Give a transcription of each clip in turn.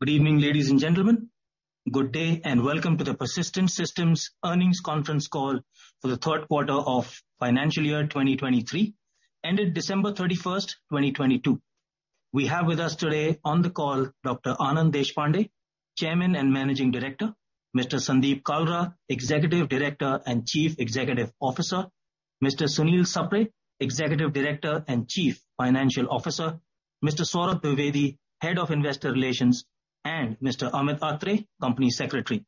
Good evening, ladies and gentlemen. Good day and welcome to the Persistent Systems earnings conference call for the Q3 of financial year 2023 ended December 31st, 2022. We have with us today on the call Dr. Anand Deshpande, Chairman and Managing Director, Mr. Sandeep Kalra, Executive Director and Chief Executive Officer, Mr. Sunil Sapre, Executive Director and Chief Financial Officer, Mr. Saurabh Dwivedi, Head of Investor Relations, and Mr. Amit Atre, Company Secretary.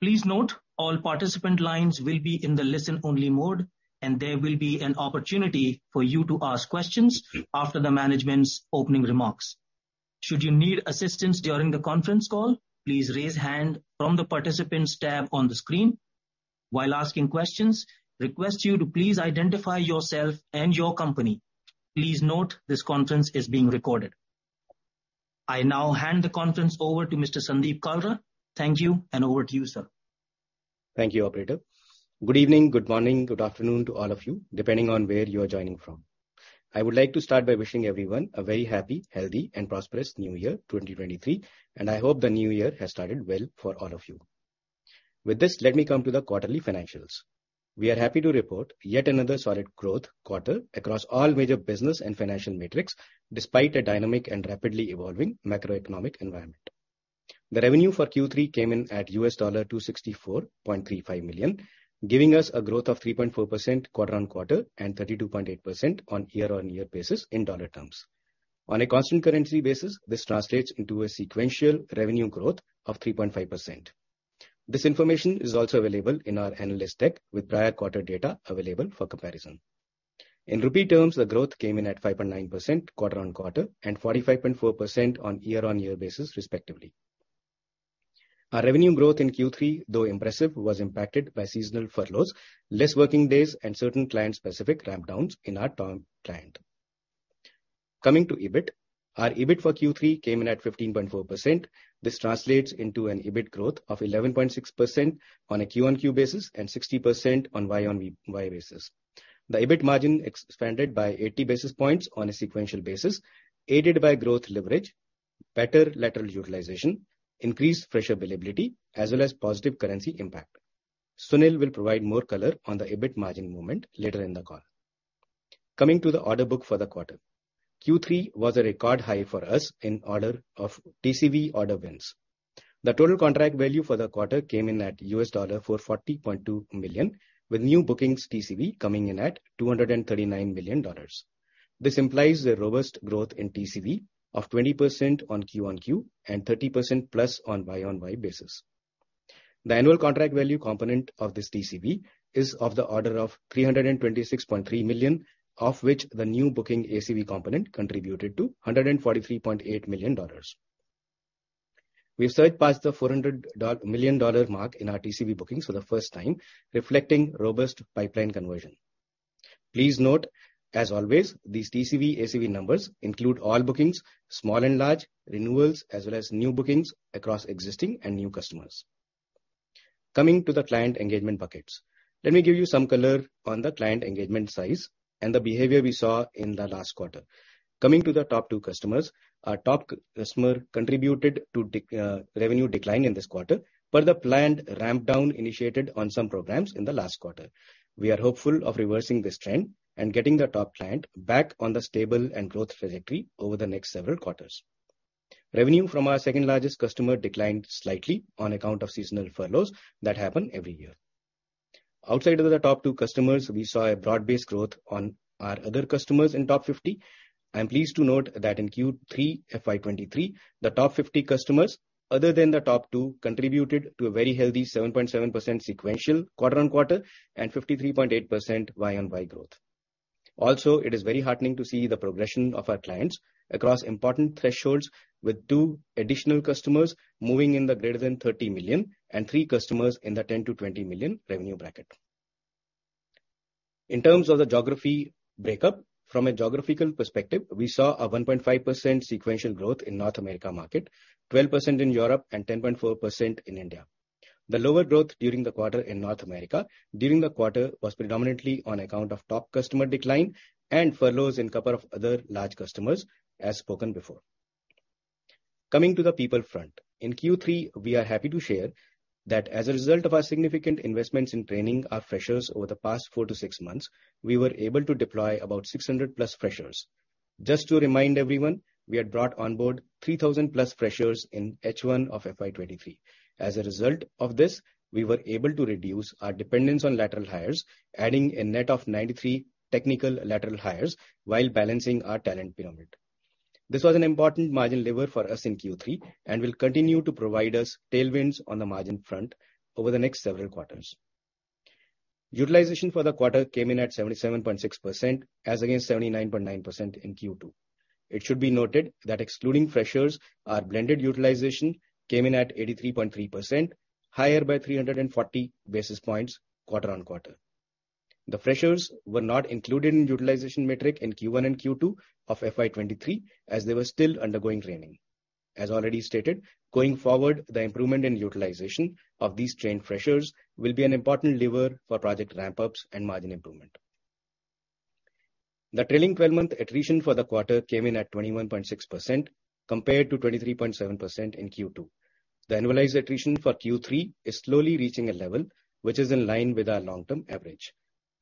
Please note all participant lines will be in the listen-only mode, and there will be an opportunity for you to ask questions after the management's opening remarks. Should you need assistance during the conference call, please raise hand from the participants tab on the screen. While asking questions, request you to please identify yourself and your company. Please note this conference is being recorded. I now hand the conference over to Mr. Sandeep Kalra. Thank you, and over to you, sir. Thank you, operator. Good evening, good morning, good afternoon to all of you, depending on where you are joining from. I would like to start by wishing everyone a very happy, healthy and prosperous New Year 2023. I hope the new year has started well for all of you. With this, let me come to the quarterly financials. We are happy to report yet another solid growth quarter across all major business and financial metrics, despite a dynamic and rapidly evolving macroeconomic environment. The revenue for Q3 came in at $264.35 million, giving us a growth of 3.4% quarter-over-quarter and 32.8% on year-over-year basis in dollar terms. On a constant currency basis, this translates into a sequential revenue growth of 3.5%. This information is also available in our analyst deck with prior quarter data available for comparison. In INR terms, the growth came in at 5.9% QOQ and 45.4% on YOY basis respectively. Our revenue growth in Q3, though impressive was impacted by seasonal furloughs, less working days and certain client specific ramp downs in our top client. Coming to EBIT. Our EBIT for Q3 came in at 15.4%. This translates into an EBIT growth of 11.6% on a QOQ basis and 60% on YOY basis. The EBIT margin expanded by 80 basis points on a sequential basis, aided by growth leverage, better lateral utilization, increased fresher billability, as well as positive currency impact. Sunil will provide more color on the EBIT margin movement later in the call. Coming to the order book for the quarter. Q3 was a record high for us in order of TCV order wins. The total contract value for the quarter came in at $440.2 million with new bookings TCV coming in at $239 million. This implies a robust growth in TCV of 20% on QOQ and 30%+ on YOY basis. The annual contract value component of this TCV is of the order of $326.3 million, of which the new booking ACV component contributed to $143.8 million. We've surged past the $400 million mark in our TCV bookings for the first time, reflecting robust pipeline conversion. Please note, as always, these TCV ACV numbers include all bookings, small and large, renewals, as well as new bookings across existing and new customers. Coming to the client engagement buckets. Let me give you some color on the client engagement size and the behavior we saw in the last quarter. Coming to the top two customers. Our top customer contributed to revenue decline in this quarter per the planned ramp down initiated on some programs in the last quarter. We are hopeful of reversing this trend and getting the top client back on the stable and growth trajectory over the next several quarters. Revenue from our second-largest customer declined slightly on account of seasonal furloughs that happen every year. Outside of the top two customers, we saw a broad-based growth on our other customers in top 50. I am pleased to note that in Q3 FY 2023, the top 50 customers other than the top two contributed to a very healthy 7.7% sequential quarter-on-quarter and 53.8% YOY growth. It is very heartening to see the progression of our clients across important thresholds with two additional customers moving in the greater than $30 million and three customers in the $10 million to $20 million revenue bracket. In terms of the geography breakup. From a geographical perspective, we saw a 1.5% sequential growth in North America market, 12% in Europe and 10.4% in India. The lower growth during the quarter in North America was predominantly on account of top customer decline and furloughs in a couple of other large customers as spoken before. Coming to the people front. In Q3, we are happy to share that as a result of our significant investments in training our freshers over the past four to six months, we were able to deploy about 600+ freshers. Just to remind everyone, we had brought on board 3,000+ freshers in H1 of FY23. As a result of this, we were able to reduce our dependence on lateral hires, adding a net of 93 technical lateral hires while balancing our talent pyramid. This was an important margin lever for us in Q3 and will continue to provide us tailwinds on the margin front over the next several quarters. Utilization for the quarter came in at 77.6% as against 79.9% in Q2. It should be noted that excluding freshers, our blended utilization came in at 83.3%, higher by 340 basis points quarter-over-quarter. The freshers were not included in utilization metric in Q1 and Q2 of FY 2023 as they were still undergoing training. As already stated, going forward, the improvement in utilization of these trained freshers will be an important lever for project ramp-ups and margin improvement. The trailing 12-month attrition for the quarter came in at 21.6% compared to 23.7% in Q2. The annualized attrition for Q3 is slowly reaching a level which is in line with our long-term average.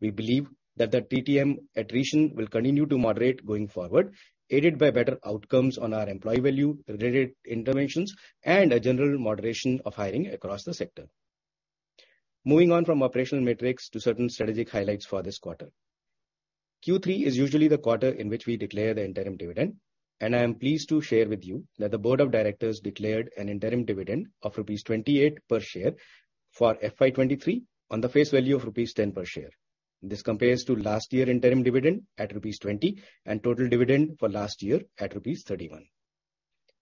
We believe that the TTM attrition will continue to moderate going forward, aided by better outcomes on our employee value, related interventions, and a general moderation of hiring across the sector. Moving on from operational metrics to certain strategic highlights for this quarter. Q3 is usually the quarter in which we declare the interim dividend. I am pleased to share with you that the board of directors declared an interim dividend of rupees 28 per share for FY 2023 on the face value of rupees 10 per share. This compares to last year interim dividend at rupees 20 and total dividend for last year at rupees 31.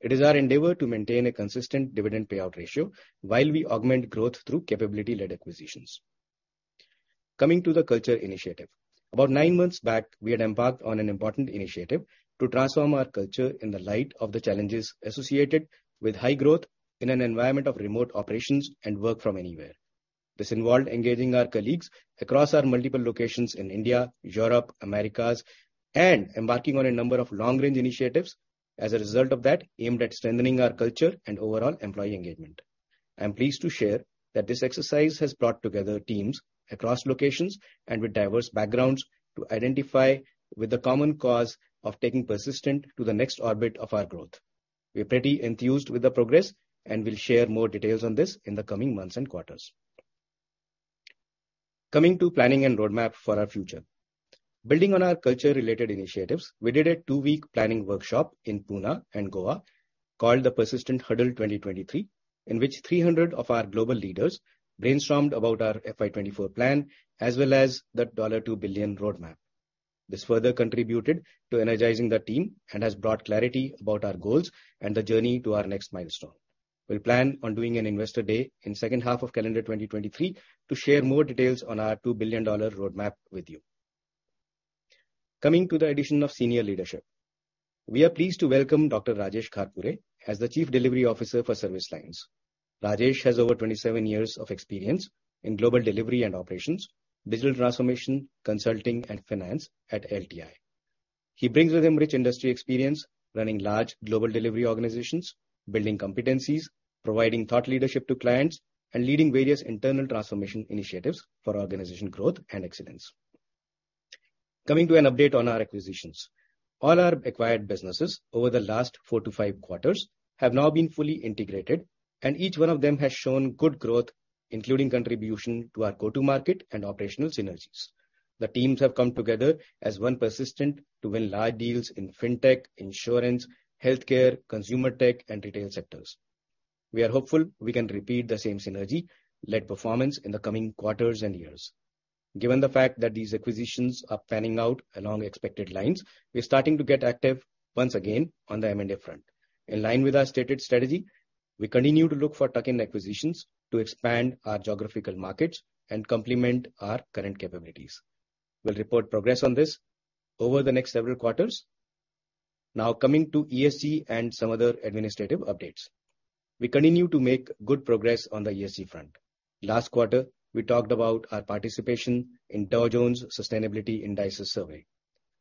It is our endeavor to maintain a consistent dividend payout ratio while we augment growth through capability-led acquisitions. Coming to the culture initiative. About nine months back, we had embarked on an important initiative to transform our culture in the light of the challenges associated with high growth in an environment of remote operations and work from anywhere. This involved engaging our colleagues across our multiple locations in India, Europe, Americas, and embarking on a number of long-range initiatives as a result of that aimed at strengthening our culture and overall employee engagement. I am pleased to share that this exercise has brought together teams across locations and with diverse backgrounds to identify with the common cause of taking Persistent to the next orbit of our growth. We are pretty enthused with the progress, and we'll share more details on this in the coming months and quarters. Coming to planning and roadmap for our future. Building on our culture-related initiatives, we did a two-week planning workshop in Pune and Goa called the Persistent Huddle 2023, in which 300 of our global leaders brainstormed about our FY 2024 plan, as well as the $2 billion roadmap. This further contributed to energizing the team and has brought clarity about our goals and the journey to our next milestone. We plan on doing an investor day in second half of calendar 2023 to share more details on our $2 billion roadmap with you. Coming to the addition of senior leadership. We are pleased to welcome Dr. Rajesh Gharpure as the Chief Delivery Officer for Service Lines. Rajesh has over 27 years of experience in global delivery and operations, digital transformation, consulting, and finance at LTI. He brings with him rich industry experience running large global delivery organizations, building competencies, providing thought leadership to clients, and leading various internal transformation initiatives for organization growth and excellence. Coming to an update on our acquisitions. All our acquired businesses over the last four to five quarters have now been fully integrated, and each one of them has shown good growth, including contribution to our go-to market and operational synergies. The teams have come together as one Persistent to win large deals in fintech, insurance, healthcare, consumer tech, and retail sectors. We are hopeful we can repeat the same synergy-led performance in the coming quarters and years. Given the fact that these acquisitions are panning out along expected lines, we are starting to get active once again on the M&A front. In line with our stated strategy, we continue to look for tuck-in acquisitions to expand our geographical markets and complement our current capabilities. We'll report progress on this over the next several quarters. Coming to ESG and some other administrative updates. We continue to make good progress on the ESG front. Last quarter, we talked about our participation in Dow Jones Sustainability Indices survey.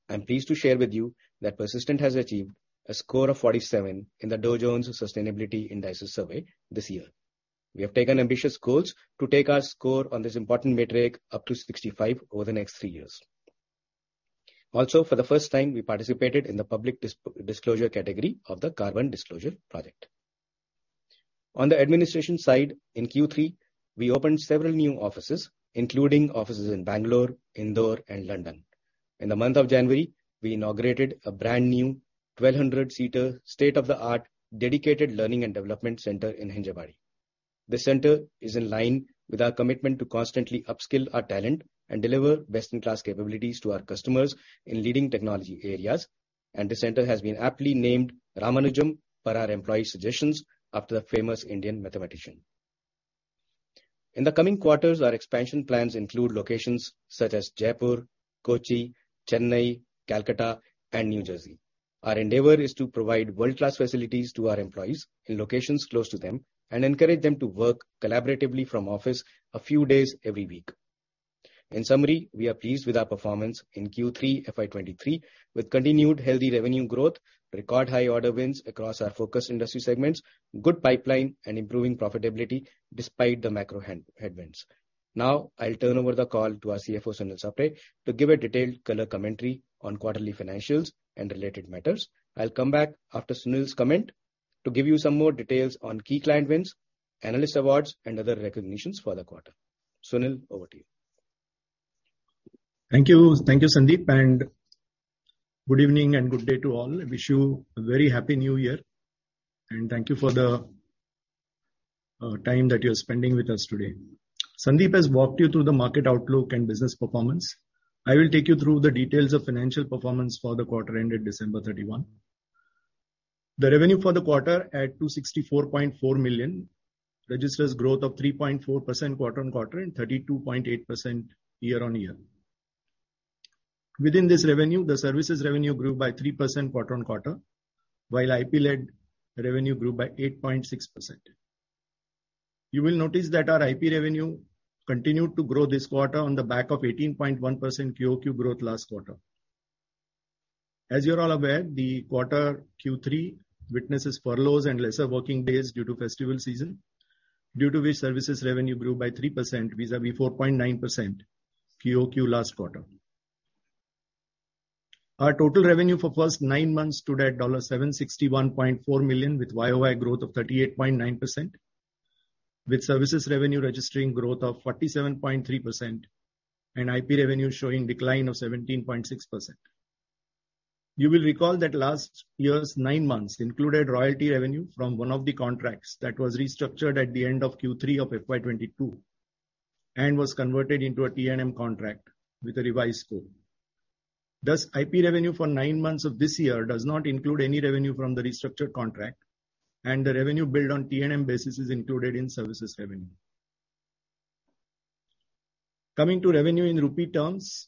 I'm pleased to share with you that Persistent has achieved a score of 47 in the Dow Jones Sustainability Indices survey this year. We have taken ambitious goals to take our score on this important metric up to 65 over the next three years. For the first time, we participated in the public disclosure category of the Carbon Disclosure Project. On the administration side, in Q3, we opened several new offices, including offices in Bangalore, Indore, and London. In the month of January, we inaugurated a brand new 1,200-seater state-of-the-art dedicated learning and development center in Hinjawadi. This center is in line with our commitment to constantly upskill our talent and deliver best-in-class capabilities to our customers in leading technology areas. This center has been aptly named Ramanujan per our employee suggestions after the famous Indian mathematician. In the coming quarters, our expansion plans include locations such as Jaipur, Kochi, Chennai, Calcutta, and New Jersey. Our endeavor is to provide world-class facilities to our employees in locations close to them and encourage them to work collaboratively from office a few days every week. In summary, we are pleased with our performance in Q3 FY 2023 with continued healthy revenue growth, record high order wins across our focus industry segments, good pipeline and improving profitability despite the macro hand-headwinds. Now I'll turn over the call to our CFO, Sunil Sapre, to give a detailed color commentary on quarterly financials and related matters. I'll come back after Sunil's comment to give you some more details on key client wins, analyst awards, and other recognitions for the quarter. Sunil, over to you. Thank you. Thank you, Sandeep, good evening and good day to all. I wish you a very happy new year, thank you for the time that you're spending with us today. Sandeep has walked you through the market outlook and business performance. I will take you through the details of financial performance for the quarter ended December 31st. The revenue for the quarter at $264.4 million registers growth of 3.4% quarter-on-quarter and 32.8% year-on-year. Within this revenue, the services revenue grew by 3% quarter-on-quarter, while IP-led revenue grew by 8.6%. You will notice that our IP revenue continued to grow this quarter on the back of 18.1% QOQ growth last quarter. As you're all aware, the quarter Q3 witnesses furloughs and lesser working days due to festival season, due to which services revenue grew by 3% vis-a-vis 4.9% QOQ last quarter. Our total revenue for first nine months stood at $761.4 million with YOY growth of 38.9%, with services revenue registering growth of 47.3% and IP revenue showing decline of 17.6%. You will recall that last year's nine months included royalty revenue from one of the contracts that was restructured at the end of Q3 of FY 2022 and was converted into a TNM contract with a revised scope. IP revenue for nine months of this year does not include any revenue from the restructured contract, and the revenue built on TNM basis is included in services revenue. Coming to revenue in rupee terms,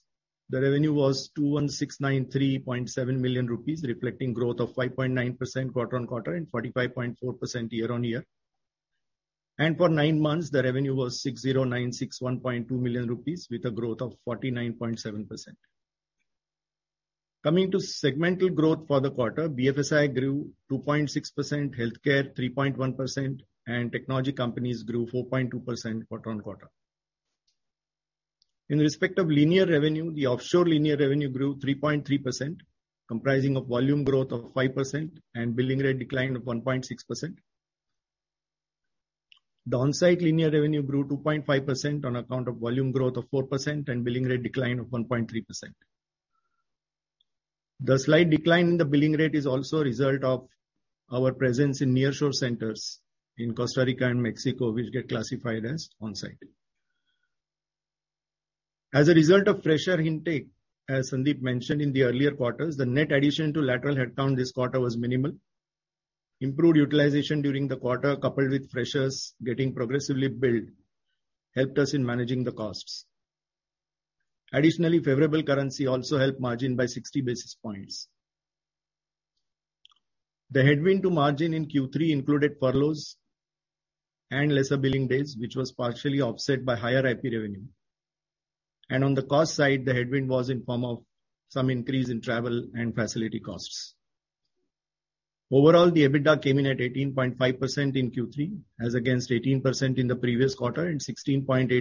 the revenue was 21,693.7 million rupees, reflecting growth of 5.9% quarter-on-quarter and 45.4% year-on-year. For nine months, the revenue was 60,961.2 million rupees with a growth of 49.7%. Coming to segmental growth for the quarter, BFSI grew 2.6%, healthcare 3.1%, and technology companies grew 4.2% quarter-on-quarter. In respect of linear revenue, the offshore linear revenue grew 3.3%, comprising of volume growth of 5% and billing rate decline of 1.6%. The onsite linear revenue grew 2.5% on account of volume growth of 4% and billing rate decline of 1.3%. The slight decline in the billing rate is also a result of our presence in nearshore centers in Costa Rica and Mexico, which get classified as on-site. As a result of fresher intake, as Sandeep mentioned in the earlier quarters, the net addition to lateral headcount this quarter was minimal. Improved utilization during the quarter, coupled with freshers getting progressively billed, helped us in managing the costs. Additionally, favorable currency also helped margin by 60 basis points. The headwind to margin in Q3 included furloughs and lesser billing days, which was partially offset by higher IP revenue. On the cost side, the headwind was in form of some increase in travel and facility costs. Overall, the EBITDA came in at 18.5% in Q3 as against 18% in the previous quarter and 16.8%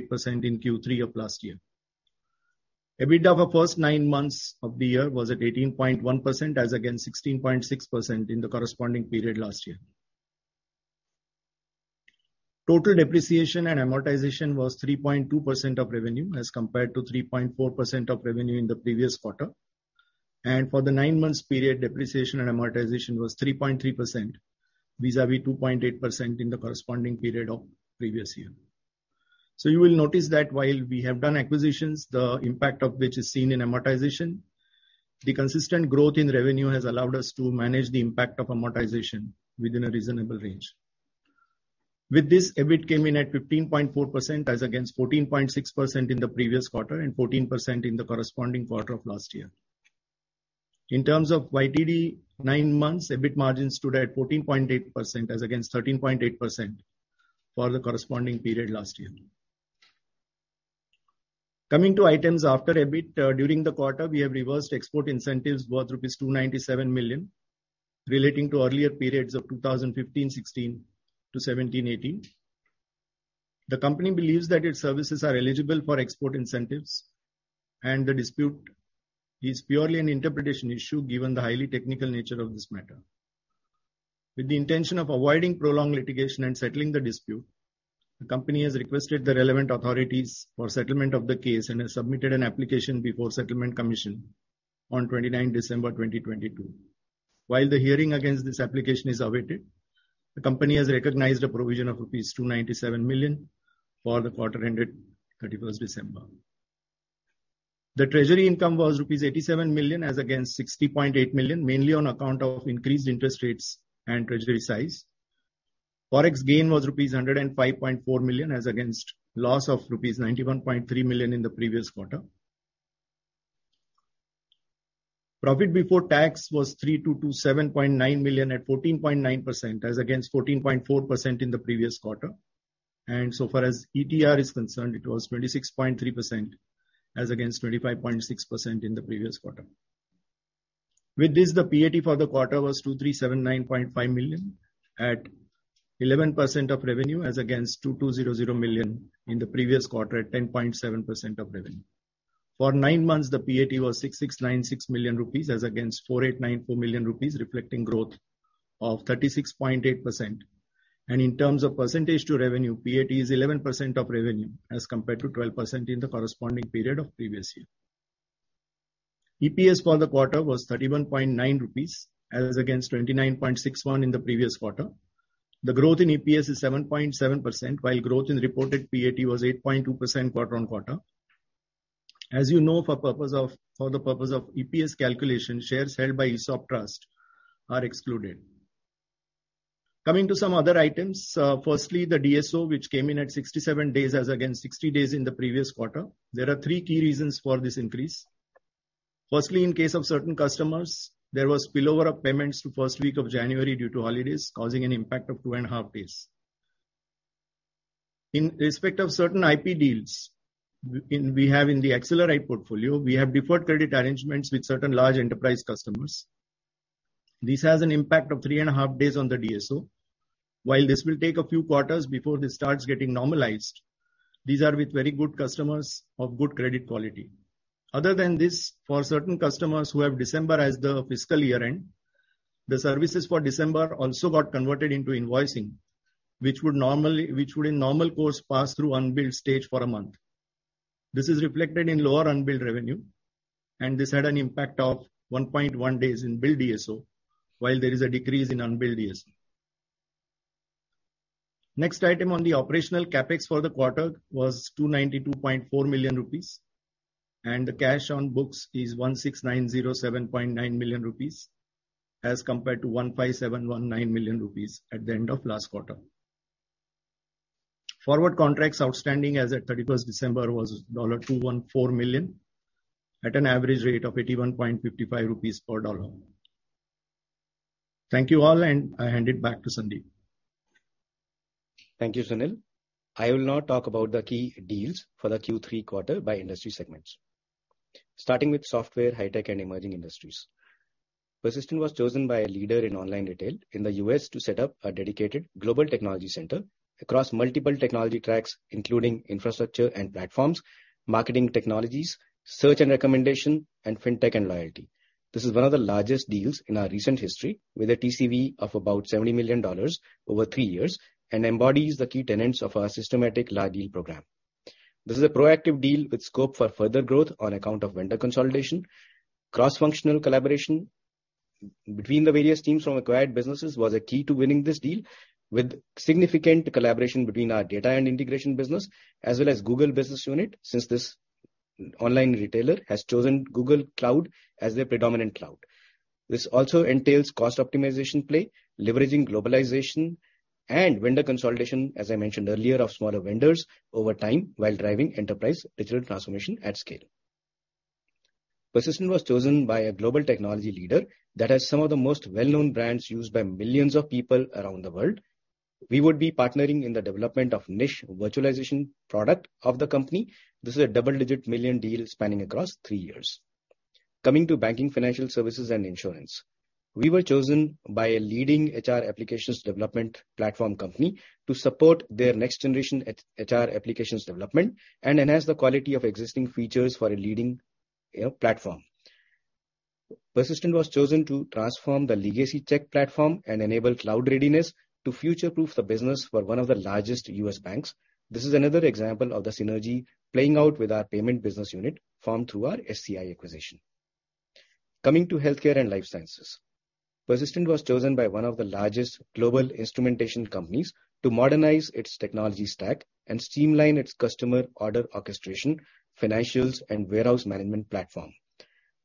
in Q3 of last year. EBITDA for first nine months of the year was at 18.1% as against 16.6% in the corresponding period last year. Total depreciation and amortization was 3.2% of revenue as compared to 3.4% of revenue in the previous quarter. For the nine months period, depreciation and amortization was 3.3% vis-a-vis 2.8% in the corresponding period of previous year. You will notice that while we have done acquisitions, the impact of which is seen in amortization, the consistent growth in revenue has allowed us to manage the impact of amortization within a reasonable range. With this, EBIT came in at 15.4% as against 14.6% in the previous quarter and 14% in the corresponding quarter of last year. In terms of YTD nine months, EBIT margins stood at 14.8% as against 13.8% for the corresponding period last year. Coming to items after EBIT, during the quarter we have reversed export incentives worth 297 million rupees relating to earlier periods of 2015, 2016 to 2017, 2018. The company believes that its services are eligible for export incentives, the dispute is purely an interpretation issue given the highly technical nature of this matter. With the intention of avoiding prolonged litigation and settling the dispute, the company has requested the relevant authorities for settlement of the case and has submitted an application before settlement commission on December 29th, 2022. While the hearing against this application is awaited, the company has recognized a provision of rupees 297 million for the quarter ended December 31st. The treasury income was rupees 87 million as against 60.8 million, mainly on account of increased interest rates and treasury size. Forex gain was rupees 105.4 million as against loss of rupees 91.3 million in the previous quarter. Profit before tax was 3,227.9 million at 14.9% as against 14.4% in the previous quarter. So far as ETR is concerned, it was 26.3% as against 25.6% in the previous quarter. With this, the PAT for the quarter was 2,379.5 million at 11% of revenue as against 2,200 million in the previous quarter at 10.7% of revenue. For nine months, the PAT was 6,696 million rupees as against 4,894 million rupees, reflecting growth of 36.8%. In terms of percentage to revenue, PAT is 11% of revenue as compared to 12% in the corresponding period of previous year. EPS for the quarter was 31.9 rupees as against 29.61 in the previous quarter. The growth in EPS is 7.7%, while growth in reported PAT was 8.2% quarter-on-quarter. As you know, for the purpose of EPS calculation, shares held by ESOP trust are excluded. Coming to some other items. Firstly, the DSO which came in at 67 days as against 60 days in the previous quarter. There are three key reasons for this increase. Firstly, in case of certain customers, there was spillover of payments to first week of January due to holidays, causing an impact of two and a half days. In respect of certain IP deals, we have in the Accelerite portfolio, we have deferred credit arrangements with certain large enterprise customers. This has an impact of three and a half days on the DSO. While this will take a few quarters before this starts getting normalized, these are with very good customers of good credit quality. Other than this, for certain customers who have December as their fiscal year-end, the services for December also got converted into invoicing, which would in normal course pass through unbilled stage for a month. This is reflected in lower unbilled revenue. This had an impact of 1.1 days in billed DSO while there is a decrease in unbilled DSO. Next item on the operational CapEx for the quarter was 292.4 million rupees. The cash on books is 16,907.9 million rupees as compared to 15,719 million rupees at the end of last quarter. Forward contracts outstanding as at December 31st was $214 million at an average rate of 81.55 rupees per dollar. Thank you all. I hand it back to Sandeep. Thank you, Sunil. I will now talk about the key deals for the Q3 quarter by industry segments. Starting with software, high tech and emerging industries. Persistent was chosen by a leader in online retail in the U.S. to set up a dedicated global technology center across multiple technology tracks, including infrastructure and platforms, marketing technologies, search and recommendation, and fintech and loyalty. This is one of the largest deals in our recent history with a TCV of about $70 million over three years and embodies the key tenets of our systematic large deal program. This is a proactive deal with scope for further growth on account of vendor consolidation. Cross-functional collaboration between the various teams from acquired businesses was a key to winning this deal, with significant collaboration between our data and integration business as well as Google business unit, since this online retailer has chosen Google Cloud as their predominant cloud. This also entails cost optimization play, leveraging globalization and vendor consolidation, as I mentioned earlier, of smaller vendors over time while driving enterprise digital transformation at scale. Persistent was chosen by a global technology leader that has some of the most well-known brands used by millions of people around the world. We would be partnering in the development of niche virtualization product of the company. This is a double-digit million deal spanning across three years. Coming to banking, financial services and insurance. We were chosen by a leading HR applications development platform company to support their next generation HR applications development and enhance the quality of existing features for a leading platform. Persistent was chosen to transform the legacy check platform and enable cloud readiness to future-proof the business for one of the largest U.S. banks. This is another example of the synergy playing out with our payment business unit formed through our SCI acquisition. Coming to healthcare and life sciences. Persistent was chosen by one of the largest global instrumentation companies to modernize its technology stack and streamline its customer order orchestration, financials and warehouse management platform.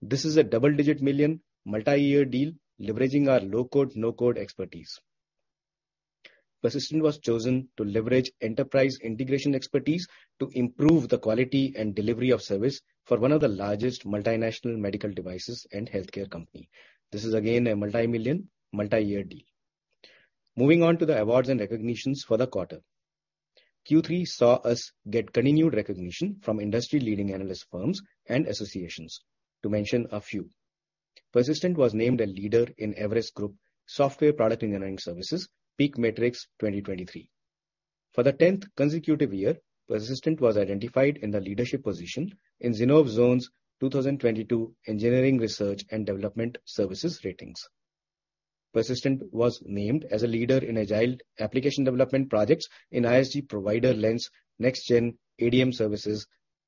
This is a double-digit million multi-year deal leveraging our low-code/no-code expertise. Persistent was chosen to leverage enterprise integration expertise to improve the quality and delivery of service for one of the largest multinational medical devices and healthcare company. This is again a multi-million, multi-year deal. Moving on to the awards and recognitions for the quarter. Q3 saw us get continued recognition from industry leading analyst firms and associations. To mention a few. Persistent was named a leader in Everest Group Software Product Engineering Services PEAK Matrix 2023. For the 10th consecutive year, Persistent was identified in the leadership position in Zinnov Zones' 2022 engineering research and development services ratings. Persistent was named as a leader in Agile application development projects in ISG Provider Lens Next-Gen ADM Services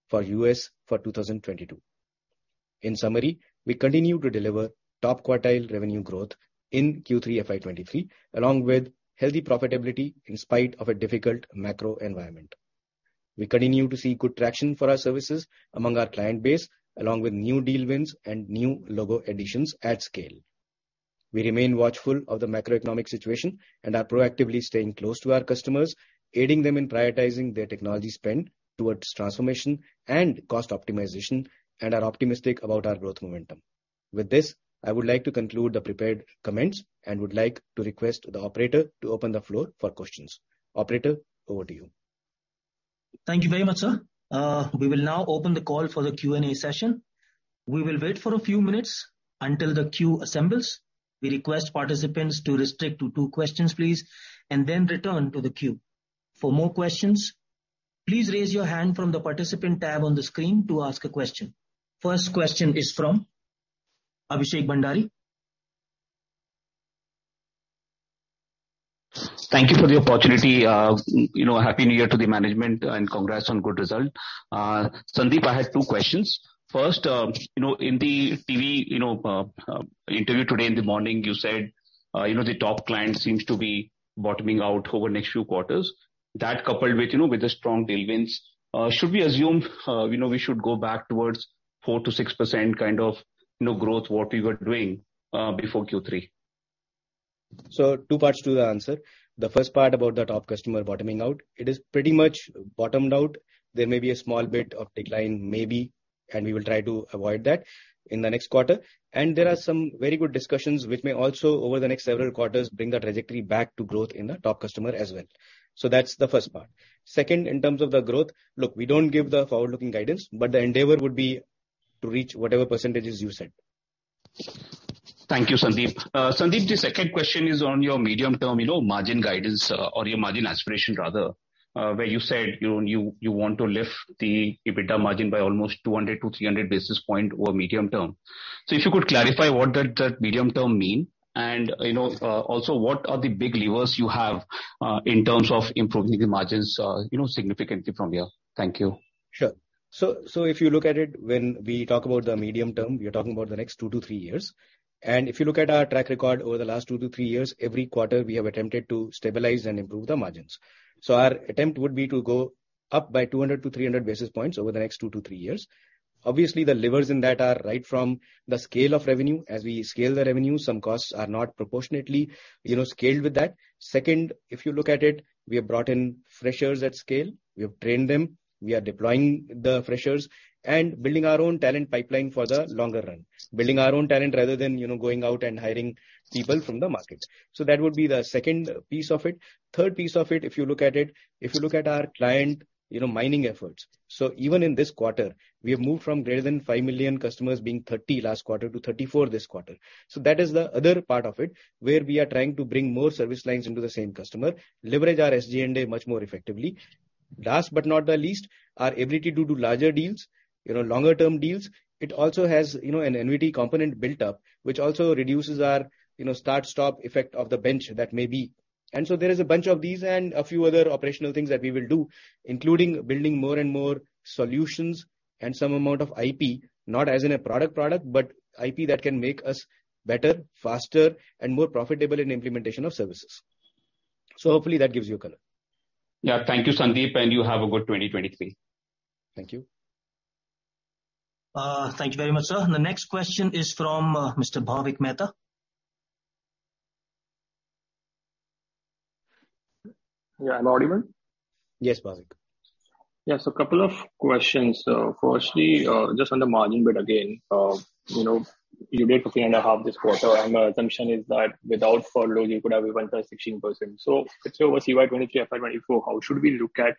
for U.S. for 2022. In summary, we continue to deliver top quartile revenue growth in Q3 FY 2023, along with healthy profitability in spite of a difficult macro environment. We continue to see good traction for our services among our client base, along with new deal wins and new logo additions at scale. We remain watchful of the macroeconomic situation and are proactively staying close to our customers, aiding them in prioritizing their technology spend towards transformation and cost optimization, and are optimistic about our growth momentum. With this, I would like to conclude the prepared comments and would like to request the operator to open the floor for questions. Operator, over to you. Thank you very much, sir. We will now open the call for the Q&A session. We will wait for a few minutes until the queue assembles. We request participants to restrict to two questions, please, and then return to the queue. For more questions, please raise your hand from the Participant tab on the screen to ask a question. First question is from Abhishek Bhandari. Thank you for the opportunity. You know, happy New Year to the management and congrats on good result. Sandeep, I have two questions. First, you know, in the TV, you know, interview today in the morning, you said, you know, the top client seems to be bottoming out over next few quarters. That coupled with, you know, with the strong tailwinds, should we assume, you know, we should go back towards 4% to 6% kind of, you know, growth, what we were doing, before Q3. Two parts to the answer. The first part about the top customer bottoming out. It is pretty much bottomed out. There may be a small bit of decline maybe, and we will try to avoid that in the next quarter. There are some very good discussions which may also over the next several quarters bring the trajectory back to growth in the top customer as well. That's the first part. Second, in terms of the growth, look, we don't give the forward-looking guidance, but the endeavor would be to reach whatever percentages you said. Thank you, Sandeep. Sandeep, the second question is on your medium-term, you know, margin guidance, or your margin aspiration rather, where you said you want to lift the EBITDA margin by almost 200 to 300 basis point over medium term. If you could clarify what that medium term mean, and you know, also what are the big levers you have in terms of improving the margins, you know, significantly from here? Thank you. Sure. If you look at it, when we talk about the medium term, we are talking about the next two to three years. If you look at our track record over the last two to three years, every quarter we have attempted to stabilize and improve the margins. Our attempt would be to go up by 200 to 300 basis points over the next two to three years. Obviously, the levers in that are right from the scale of revenue. As we scale the revenue, some costs are not proportionately, you know, scaled with that. Second, if you look at it, we have brought in freshers at scale. We have trained them. We are deploying the freshers and building our own talent pipeline for the longer run. Building our own talent rather than, you know, going out and hiring people from the market. That would be the second piece of it. Third piece of it, if you look at it, if you look at our client, you know, mining efforts. Even in this quarter, we have moved from greater than 5 million customers being 30 last quarter to 34 this quarter. That is the other part of it, where we are trying to bring more service lines into the same customer, leverage our SD&A much more effectively. Last but not the least, our ability to do larger deals, you know, longer-term deals. It also has, you know, an NVT component built up, which also reduces our, you know, start-stop effect of the bench that may be. There is a bunch of these and a few other operational things that we will do, including building more and more solutions and some amount of IP, not as in a product, but IP that can make us better, faster, and more profitable in implementation of services. Hopefully that gives you color. Yeah. Thank you, Sandeep. You have a good 2023. Thank you. Thank you very much, sir. The next question is from Mr. Bhavik Mehta. Yeah. I'm audible? Yes, Bhavik. Yeah. A couple of questions. Firstly, just on the margin bit again, you know, you made three and a half this quarter and my assumption is that without furloughs you could have even done 16%. Let's say over CY 2023, FY 2024, how should we look at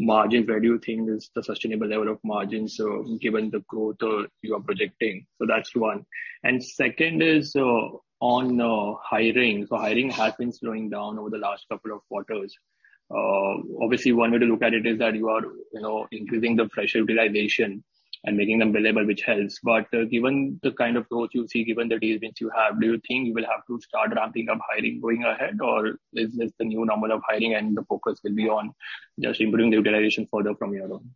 margins? Where do you think is the sustainable level of margins, given the growth you are projecting? That's one. Second is on hiring. Hiring has been slowing down over the last couple of quarters. Obviously one way to look at it is that you are, you know, increasing the fresh utilization and making them billable, which helps. Given the kind of growth you see, given the deals which you have, do you think you will have to start ramping up hiring going ahead? Is this the new normal of hiring and the focus will be on just improving the utilization further from here on?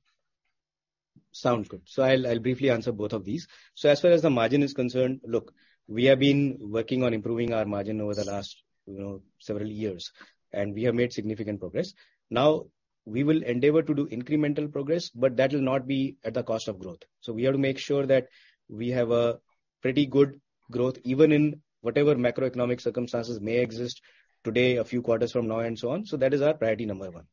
Sounds good. I'll briefly answer both of these. As far as the margin is concerned, look, we have been working on improving our margin over the last, you know, several years, and we have made significant progress. We will endeavor to do incremental progress, but that will not be at the cost of growth. We have to make sure that we have a pretty good growth, even in whatever macroeconomic circumstances may exist today, a few quarters from now, and so on. That is our priority number one.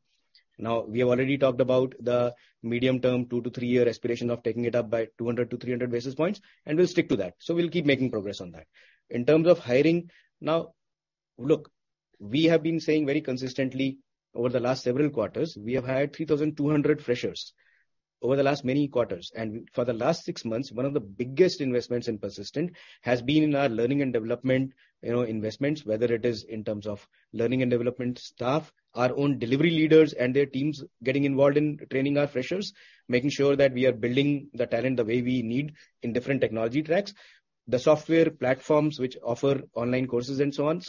We have already talked about the medium-term two to three-year aspiration of taking it up by 200 to 300 basis points, and we'll stick to that. We'll keep making progress on that. In terms of hiring, now, look, we have been saying very consistently over the last several quarters, we have hired 3,200 freshers over the last many quarters. For the last six months, one of the biggest investments in Persistent has been in our learning and development, you know, investments, whether it is in terms of learning and development staff, our own delivery leaders and their teams getting involved in training our freshers, making sure that we are building the talent the way we need in different technology tracks. The software platforms which offer online courses and so on.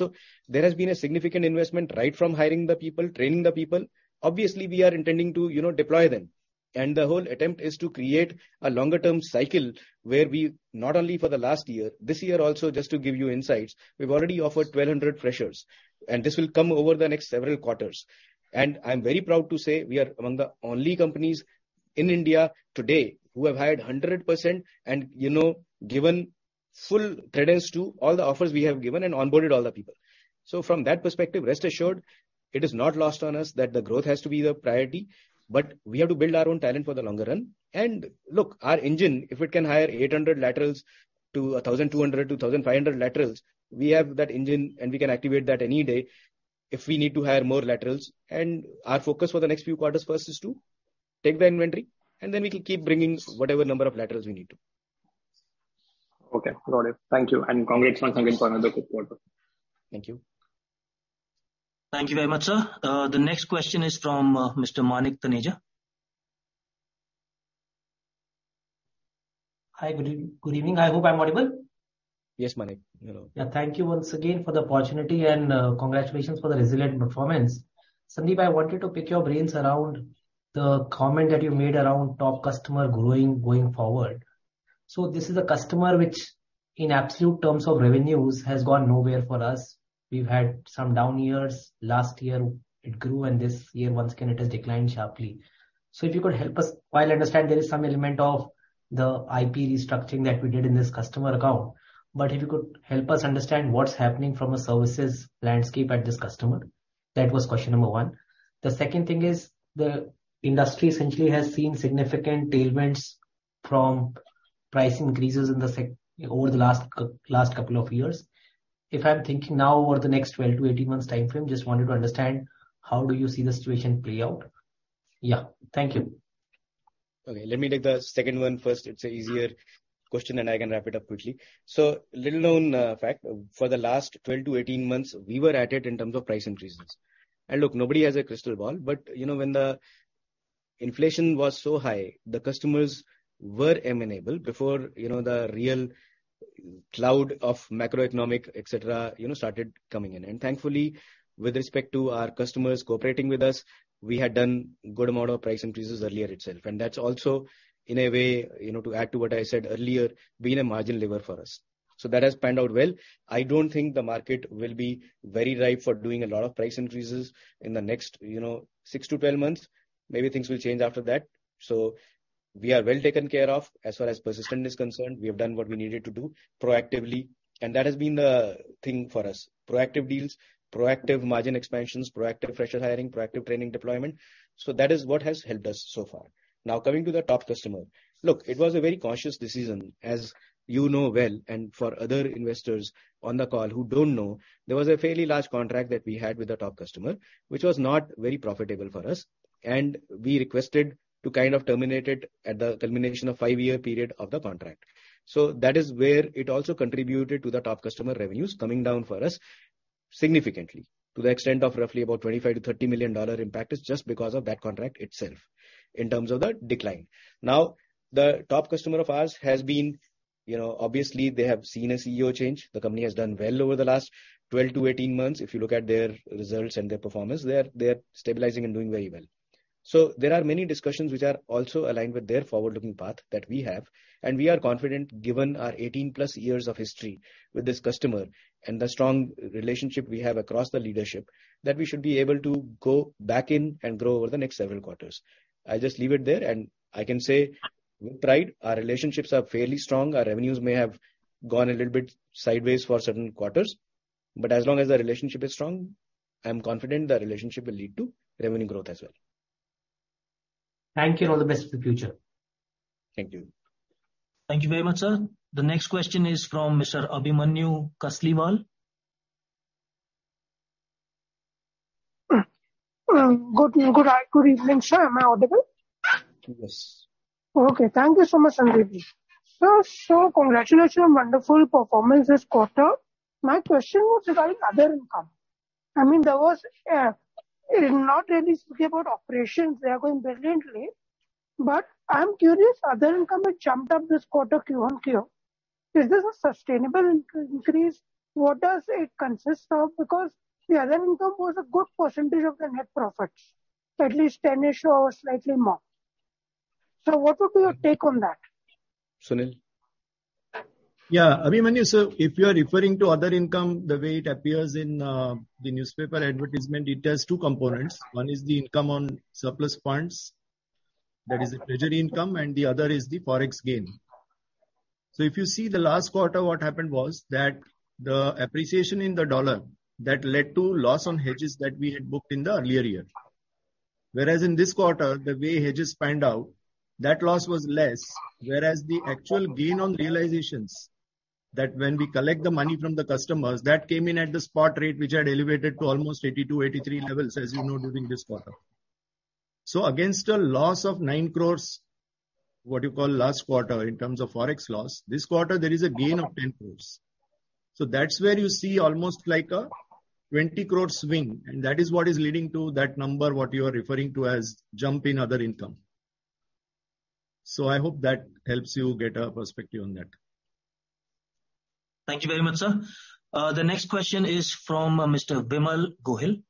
There has been a significant investment right from hiring the people, training the people. Obviously, we are intending to, you know, deploy them. The whole attempt is to create a longer-term cycle where we not only for the last year, this year also, just to give you insights, we've already offered 1,200 freshers, and this will come over the next several quarters. I'm very proud to say we are among the only companies in India today who have hired 100% and, you know, given full credence to all the offers we have given and onboarded all the people. From that perspective, rest assured it is not lost on us that the growth has to be the priority, but we have to build our own talent for the longer run. Look, our engine, if it can hire 800 laterals to 1,200 to 1,500 laterals, we have that engine and we can activate that any day if we need to hire more laterals. Our focus for the next few quarters first is to take the inventory and then we will keep bringing whatever number of laterals we need to. Okay. Got it. Thank you. Congrats once again for another good quarter. Thank you. Thank you very much, sir. The next question is from Mr. Manik Taneja. Hi. Good evening. I hope I'm audible. Yes, Manik. Hello. Thank you once again for the opportunity and congratulations for the resilient performance. Sandeep, I wanted to pick your brains around the comment that you made around top customer growing going forward. This is a customer which In absolute terms of revenues has gone nowhere for us. We've had some down years. Last year it grew. This year once again it has declined sharply. If you could help us, while I understand there is some element of the IP restructuring that we did in this customer account, but if you could help us understand what's happening from a services landscape at this customer. That was question number one. The second thing is the industry essentially has seen significant tailwinds from price increases over the last couple of years. If I'm thinking now over the next 12 to 18 months timeframe, just wanted to understand how do you see the situation play out? Yeah. Thank you. Okay, let me take the second one first. It's an easier question, and I can wrap it up quickly. Little-known fact, for the last 12 to 18 months we were at it in terms of price increases. Look, nobody has a crystal ball, but, you know, when the inflation was so high, the customers were amenable before, you know, the real cloud of macroeconomic, et cetera, you know, started coming in. Thankfully, with respect to our customers cooperating with us, we had done a good amount of price increases earlier itself. That's also in a way, you know, to add to what I said earlier, been a margin lever for us. That has panned out well. I don't think the market will be very ripe for doing a lot of price increases in the next, you know, 6 to 12 months. Maybe things will change after that. We are well taken care of. As far as Persistent is concerned, we have done what we needed to do proactively, and that has been the thing for us. Proactive deals, proactive margin expansions, proactive fresher hiring, proactive training deployment. That is what has helped us so far. Now coming to the top customer. Look, it was a very cautious decision, as you know well, and for other investors on the call who don't know, there was a fairly large contract that we had with the top customer which was not very profitable for us, and we requested to kind of terminate it at the culmination of five-year period of the contract. That is where it also contributed to the top customer revenues coming down for us significantly, to the extent of roughly about $25 million to $30 million impact is just because of that contract itself in terms of the decline. The top customer of ours has been, you know, obviously they have seen a CEO change. The company has done well over the last 12 to 18 months. If you look at their results and their performance, they are stabilizing and doing very well. There are many discussions which are also aligned with their forward-looking path that we have, and we are confident, given our 18+ years of history with this customer and the strong relationship we have across the leadership, that we should be able to go back in and grow over the next several quarters. I just leave it there. I can say with pride our relationships are fairly strong. Our revenues may have gone a little bit sideways for certain quarters. As long as the relationship is strong, I am confident the relationship will lead to revenue growth as well. Thank you, and all the best for the future. Thank you. Thank you very much, sir. The next question is from Mr. Abhimanyu Kasliwal. Good evening, sir. Am I audible? Yes. Okay. Thank you so much, Sandeep. Congratulations on wonderful performance this quarter. My question was regarding other income. I mean, there was not really speaking about operations, they are going brilliantly, but I'm curious, other income has jumped up this quarter QOQ. Is this a sustainable increase? What does it consist of? Because the other income was a good percentage of the net profits, at least 10-ish or slightly more. What would be your take on that? Sunil? Abhimanyu, if you are referring to other income the way it appears in the newspaper advertisement, it has two components. One is the income on surplus funds, that is the treasury income, and the other is the Forex gain. If you see the last quarter, what happened was that the appreciation in the U.S. dollar that led to loss on hedges that we had booked in the earlier year. Whereas in this quarter, the way hedges panned out, that loss was less, whereas the actual gain on realizations, that when we collect the money from the customers, that came in at the spot rate which had elevated to almost 82, 83 levels as you know during this quarter. Against a loss of 9 crores, what you call last quarter in terms of Forex loss, this quarter there is a gain of 10 crores. That's where you see almost like a 20 crore swing, and that is what is leading to that number what you are referring to as jump in other income. I hope that helps you get a perspective on that. Thank you very much, sir. The next question is from Mr. Vimal Gohil.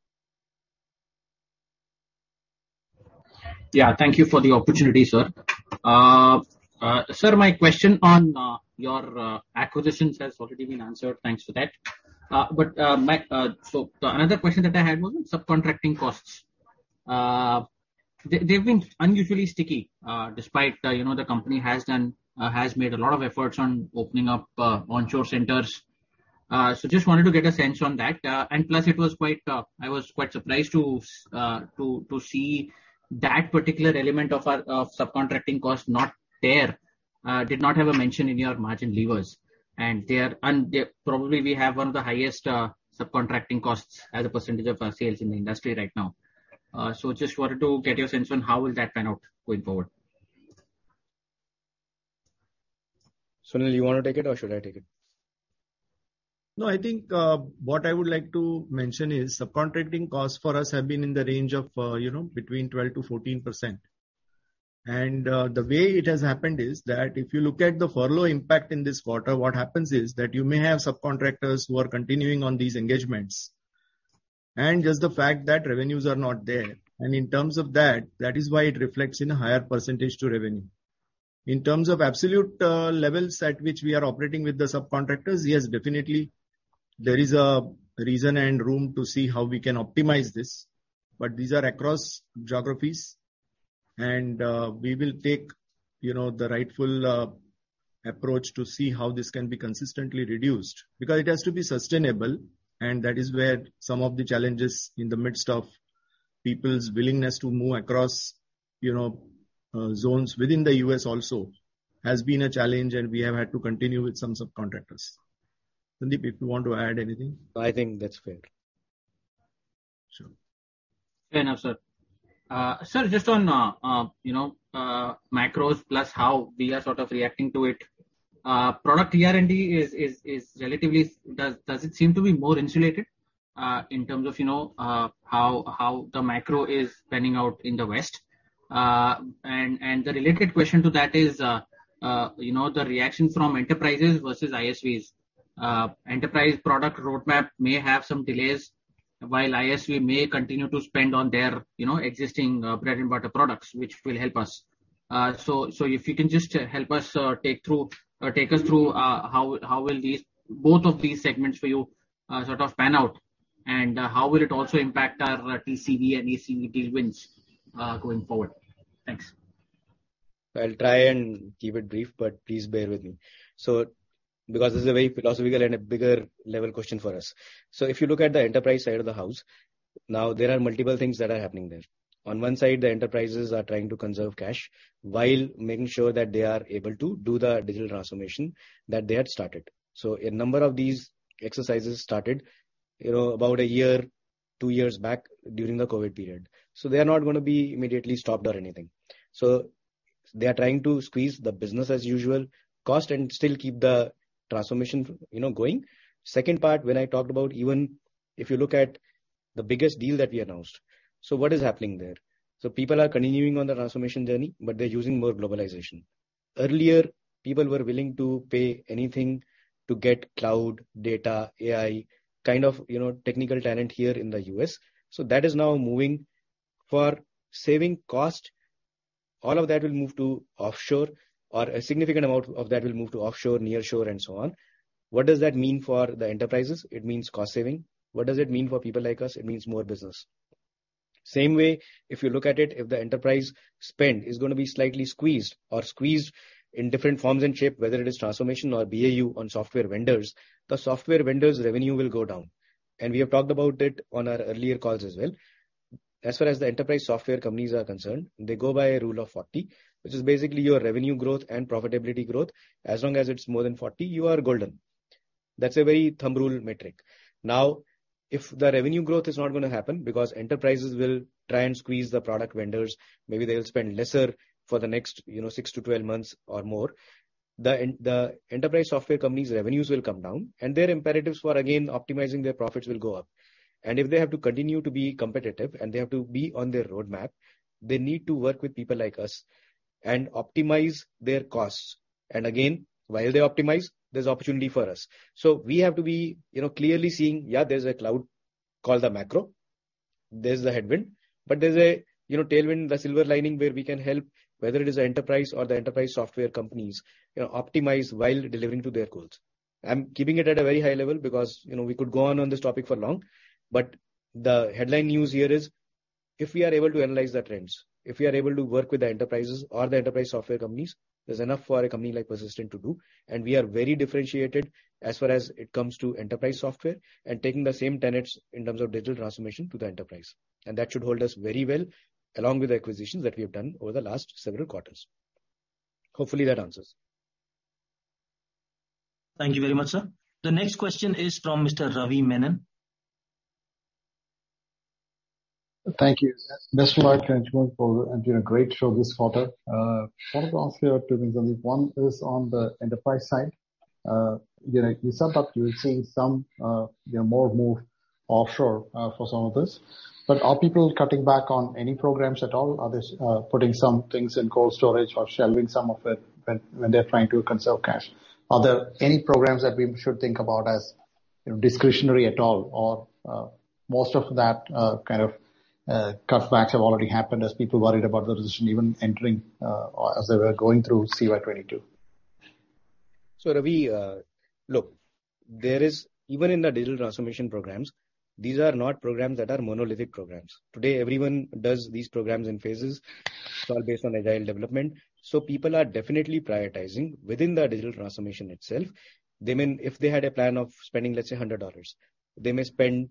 Yeah. Thank you for the opportunity, sir. Sir, my question on your acquisitions has already been answered. Thanks for that. Another question that I had was on subcontracting costs. They've been unusually sticky, despite, you know, the company has made a lot of efforts on opening up onshore centers. Just wanted to get a sense on that. Plus it was quite, I was quite surprised to see that particular element of our, of subcontracting cost not there, did not have a mention in your margin levers. They are probably we have one of the highest subcontracting costs as a % of our sales in the industry right now. Just wanted to get your sense on how will that pan out going forward? Sunil, you wanna take it or should I take it? No, I think, what I would like to mention is subcontracting costs for us have been in the range of, you know, between 12% to 14%. The way it has happened is that if you look at the furlough impact in this quarter, what happens is that you may have subcontractors who are continuing on these engagements and just the fact that revenues are not there. In terms of that is why it reflects in a higher percentage to revenue. In terms of absolute levels at which we are operating with the subcontractors, yes, definitely there is a reason and room to see how we can optimize this. These are across geographies and, we will take, you know, the rightful approach to see how this can be consistently reduced. It has to be sustainable, and that is where some of the challenges in the midst of people's willingness to move across, you know, zones within the U.S. also has been a challenge, and we have had to continue with some subcontractors. Sandeep, if you want to add anything. I think that's fair. Sure. Fair enough, sir. Sir, just on, you know, macros plus how we are sort of reacting to it. Product R&D is relatively. Does it seem to be more insulated in terms of, you know, how the macro is panning out in the West? The related question to that is, you know, the reaction from enterprises versus ISVs. Enterprise product roadmap may have some delays, while ISV may continue to spend on their, you know, existing bread-and-butter products, which will help us. If you can just help us take us through how will these, both of these segments for you sort of pan out, and how will it also impact our TCV and ACV tailwinds going forward? Thanks. I'll try and keep it brief, but please bear with me. Because this is a very philosophical and a bigger level question for us. If you look at the enterprise side of the house, now, there are multiple things that are happening there. On one side, the enterprises are trying to conserve cash while making sure that they are able to do the digital transformation that they had started. A number of these exercises started, you know, about a year, two years back during the COVID period. They are not gonna be immediately stopped or anything. They are trying to squeeze the business as usual cost and still keep the transformation, you know, going. Second part, when I talked about even if you look at the biggest deal that we announced, what is happening there? People are continuing on the transformation journey, but they're using more globalization. Earlier, people were willing to pay anything to get cloud, data, AI, kind of, you know, technical talent here in the U.S. That is now moving for saving cost. All of that will move to offshore or a significant amount of that will move to offshore, nearshore and so on. What does that mean for the enterprises? It means cost saving. What does it mean for people like us? It means more business. Same way, if you look at it, if the enterprise spend is gonna be slightly squeezed or squeezed in different forms and shape, whether it is transformation or BAU on software vendors, the software vendor's revenue will go down. We have talked about it on our earlier calls as well. As far as the enterprise software companies are concerned, they go by a Rule of 40. Basically your revenue growth and profitability growth. As long as it's more than 40, you are golden. That's a very thumb rule metric. If the revenue growth is not gonna happen because enterprises will try and squeeze the product vendors, maybe they'll spend lesser for the next, you know, 6 to 12 months or more. The enterprise software companies' revenues will come down. Their imperatives for again optimizing their profits will go up. If they have to continue to be competitive, and they have to be on their roadmap, they need to work with people like us and optimize their costs. Again, while they optimize, there's opportunity for us. We have to be, you know, clearly seeing, yeah, there's a cloud, call the macro. There's the headwind. There's a, you know, tailwind, the silver lining, where we can help, whether it is the enterprise or the enterprise software companies, you know, optimize while delivering to their goals. I'm keeping it at a very high level because, you know, we could go on this topic for long. The headline news here is, if we are able to analyze the trends, if we are able to work with the enterprises or the enterprise software companies, there's enough for a company like Persistent to do. We are very differentiated as far as it comes to enterprise software and taking the same tenets in terms of digital transformation to the enterprise. That should hold us very well, along with the acquisitions that we have done over the last several quarters. Hopefully, that answers. Thank you very much, sir. The next question is from Mr. Ravi Menon. Thank you. Best regards to everyone for doing a great show this quarter. I want to ask you two things, Sandeep. One is on the enterprise side. You know, in some parts we've seen some, you know, more move offshore, for some of this. Are people cutting back on any programs at all? Are they putting some things in cold storage or shelving some of it when they're trying to conserve cash? Are there any programs that we should think about as, you know, discretionary at all? Most of that kind of cutbacks have already happened as people worried about the recession even entering, or as they were going through CY 2022. Ravi, look, there is even in the digital transformation programs, these are not programs that are monolithic programs. Today, everyone does these programs in phases. It's all based on agile development. People are definitely prioritizing within the digital transformation itself. They may, if they had a plan of spending, let's say $100, they may spend,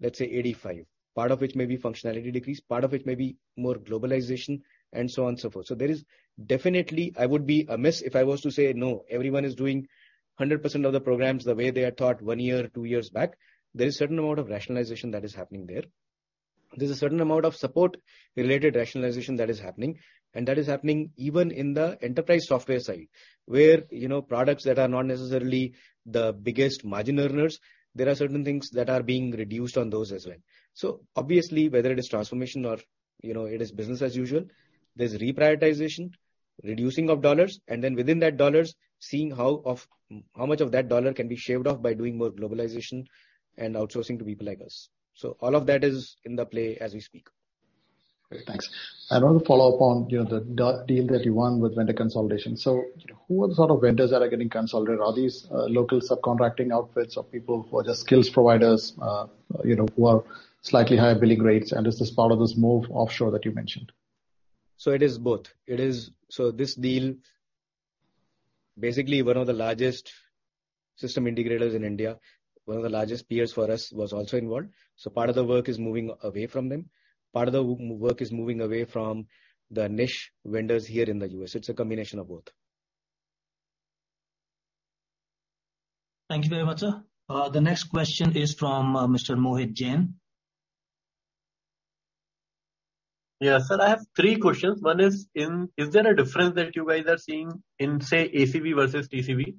let's say $85. Part of which may be functionality decrease, part of it may be more globalization and so on and so forth. There is definitely, I would be amiss if I was to say no, everyone is doing 100% of the programs the way they are taught one year or two years back. There is certain amount of rationalization that is happening there. There's a certain amount of support-related rationalization that is happening. That is happening even in the enterprise software side. Where, you know, products that are not necessarily the biggest margin earners, there are certain things that are being reduced on those as well. Obviously, whether it is transformation or, you know, it is business as usual, there's reprioritization, reducing of dollars, and then within that dollars, seeing how much of that dollar can be shaved off by doing more globalization and outsourcing to people like us. All of that is in the play as we speak. Great. Thanks. I want to follow up on, you know, the deal that you won with vendor consolidation. Who are the sort of vendors that are getting consolidated? Are these local subcontracting outfits or people who are just skills providers, you know, who are slightly higher billing rates? Is this part of this move offshore that you mentioned? It is both. This deal, basically one of the largest system integrators in India, one of the largest peers for us was also involved, so part of the work is moving away from them. Part of the work is moving away from the niche vendors here in the U.S.. It's a combination of both. Thank you very much, sir. The next question is from Mr. Mohit Jain. Yeah. Sir, I have three questions. One, is there a difference that you guys are seeing in, say, ACV versus TCV?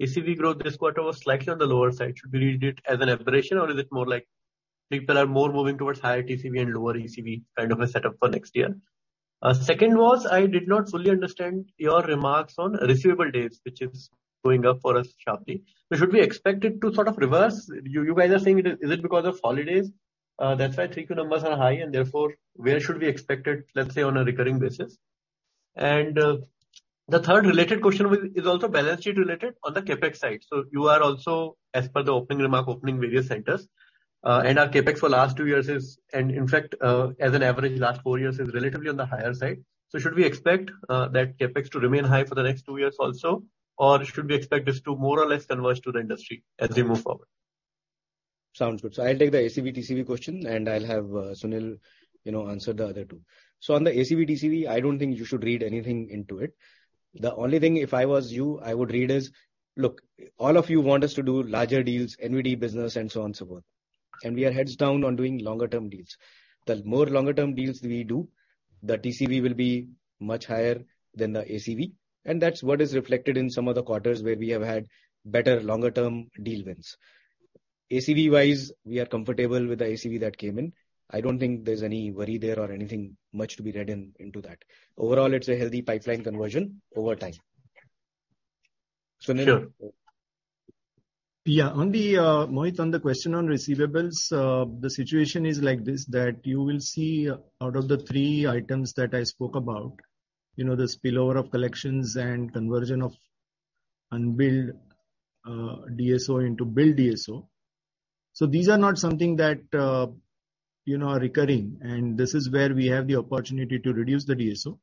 ACV growth this quarter was slightly on the lower side. Should we read it as an aberration or is it more like people are more moving towards higher TCV and lower ACV kind of a setup for next year? Second was I did not fully understand your remarks on receivable days, which is going up for us sharply. Should we expect it to sort of reverse? You guys are saying, is it because of holidays, that's why three key numbers are high and therefore where should we expect it, let's say on a recurring basis? The third related question is also balance sheet related on the CapEx side. You are also, as per the opening remark, opening various centers, and our CapEx for last two years is, and in fact, as an average last four years is relatively on the higher side. Should we expect that CapEx to remain high for the next two years also, or should we expect this to more or less converge to the industry as we move forward? Sounds good. I'll take the ACV TCV question and I'll have Sunil, you know, answer the other two. On the ACV TCV, I don't think you should read anything into it. The only thing if I was you, I would read is, look, all of you want us to do larger deals, NVD business and so on so forth. We are heads down on doing longer term deals. The more longer term deals we do, the TCV will be much higher than the ACV, and that's what is reflected in some of the quarters where we have had better longer term deal wins. ACV wise, we are comfortable with the ACV that came in. I don't think there's any worry there or anything much to be read in, into that. Overall, it's a healthy pipeline conversion over time. Sunil. Sure. Yeah. On the Mohit, on the question on receivables, the situation is like this, that you will see out of the three items that I spoke about, you know, the spillover of collections and conversion of unbilled, DSO into billed DSO. These are not something that, you know, are recurring, and this is where we have the opportunity to reduce the DSO.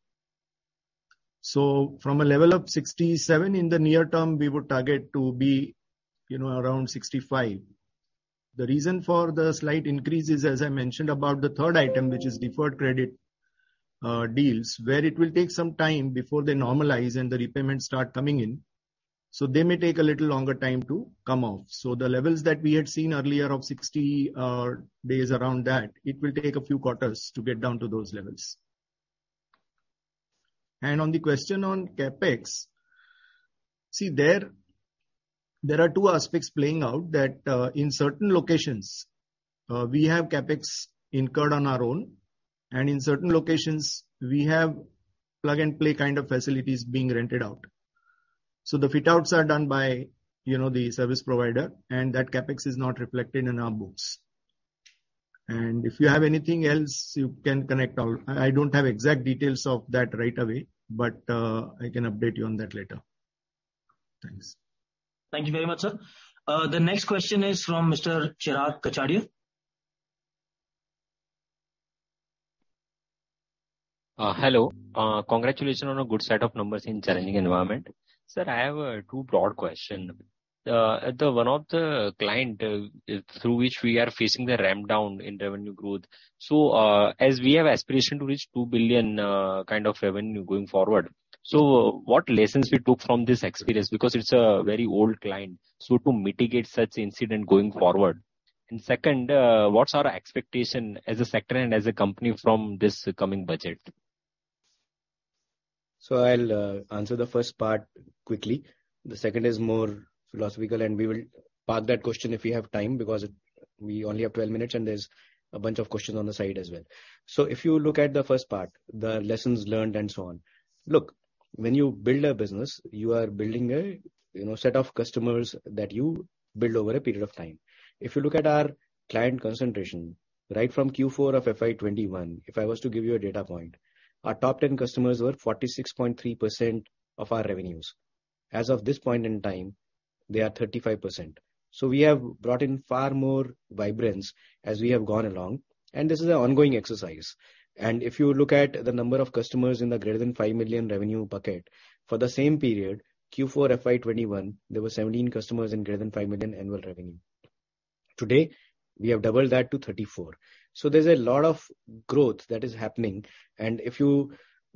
From a level of 67 in the near term, we would target to be, you know, around 65. The reason for the slight increase is, as I mentioned about the third item, which is deferred credit, deals, where it will take some time before they normalize and the repayments start coming in, so they may take a little longer time to come off. The levels that we had seen earlier of 60 days around that, it will take a few quarters to get down to those levels. On the question on CapEx, see there are two aspects playing out that in certain locations, we have CapEx incurred on our own, and in certain locations we have plug-and-play kind of facilities being rented out. The fit outs are done by, you know, the service provider, and that CapEx is not reflected in our books. If you have anything else, you can connect all. I don't have exact details of that right away, but I can update you on that later. Thanks. Thank you very much, sir. The next question is from Mr. Chirag Kachhadiya. Hello. Congratulations on a good set of numbers in challenging environment. Sir, I have two broad question. The one of the client, through which we are facing the ramp down in revenue growth. As we have aspiration to reach $2 billion kind of revenue going forward, so what lessons we took from this experience? Because it's a very old client, so to mitigate such incident going forward. Second, what's our expectation as a sector and as a company from this coming budget? I'll answer the first part quickly. The second is more philosophical, and we will park that question if we have time, because we only have 12 minutes and there's a bunch of questions on the side as well. If you look at the first part, the lessons learned and so on. Look, when you build a business, you are building a, you know, set of customers that you build over a period of time. If you look at our client concentration right from Q4 of FY 2021, if I was to give you a data point, our top 10 customers were 46.3% of our revenues. As of this point in time, they are 35%. We have brought in far more vibrance as we have gone along, and this is an ongoing exercise. If you look at the number of customers in the greater than $5 million revenue bucket, for the same period, Q4 FY21, there were 17 customers in greater than $5 million annual revenue. Today we have doubled that to 34. There's a lot of growth that is happening. If you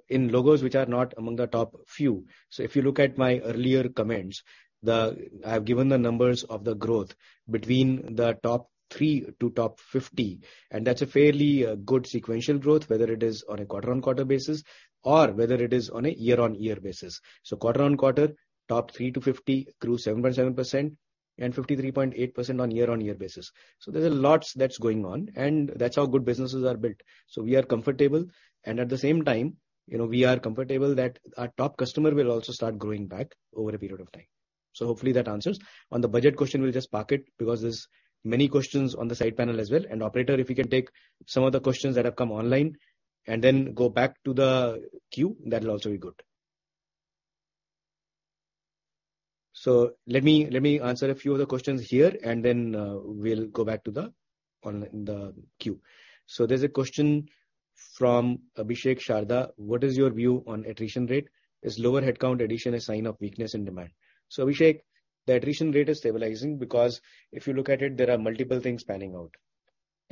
in logos which are not among the top few. If you look at my earlier comments, I have given the numbers of the growth between the top 3 to top 50, and that's a fairly good sequential growth, whether it is on a quarter-on-quarter basis or whether it is on a year-on-year basis. Quarter-on-quarter, top 3 to 50 grew 7.7%. 53.8% on year-on-year basis. There's lots that's going on, and that's how good businesses are built. We are comfortable, and at the same time, you know, we are comfortable that our top customer will also start growing back over a period of time. Hopefully that answers. On the budget question, we'll just park it because there's many questions on the side panel as well. Operator, if you can take some of the questions that have come online and then go back to the queue, that will also be good. Let me answer a few of the questions here, and then we'll go back to the queue. There's a question from Abhishek Sharda: What is your view on attrition rate? Is lower headcount addition a sign of weakness in demand? Abhishek, the attrition rate is stabilizing because if you look at it, there are multiple things panning out.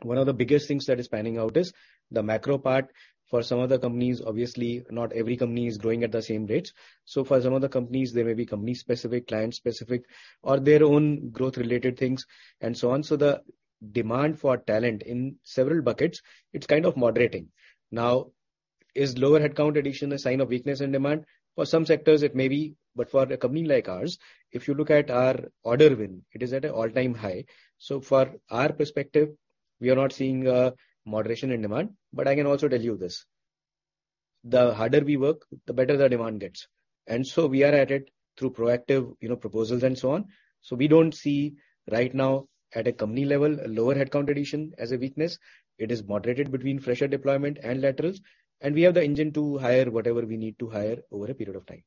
One of the biggest things that is panning out is the macro part for some of the companies. Obviously, not every company is growing at the same rates. For some of the companies, there may be company-specific, client-specific or their own growth-related things, and so on. The demand for talent in several buckets, it's kind of moderating. Now, is lower headcount addition a sign of weakness in demand? For some sectors it may be, but for a company like ours, if you look at our order win, it is at an all-time high. For our perspective, we are not seeing moderation in demand. I can also tell you this, the harder we work, the better the demand gets. We are at it through proactive, you know, proposals and so on. We don't see right now at a company level a lower headcount addition as a weakness. It is moderated between fresher deployment and laterals, and we have the engine to hire whatever we need to hire over a period of time.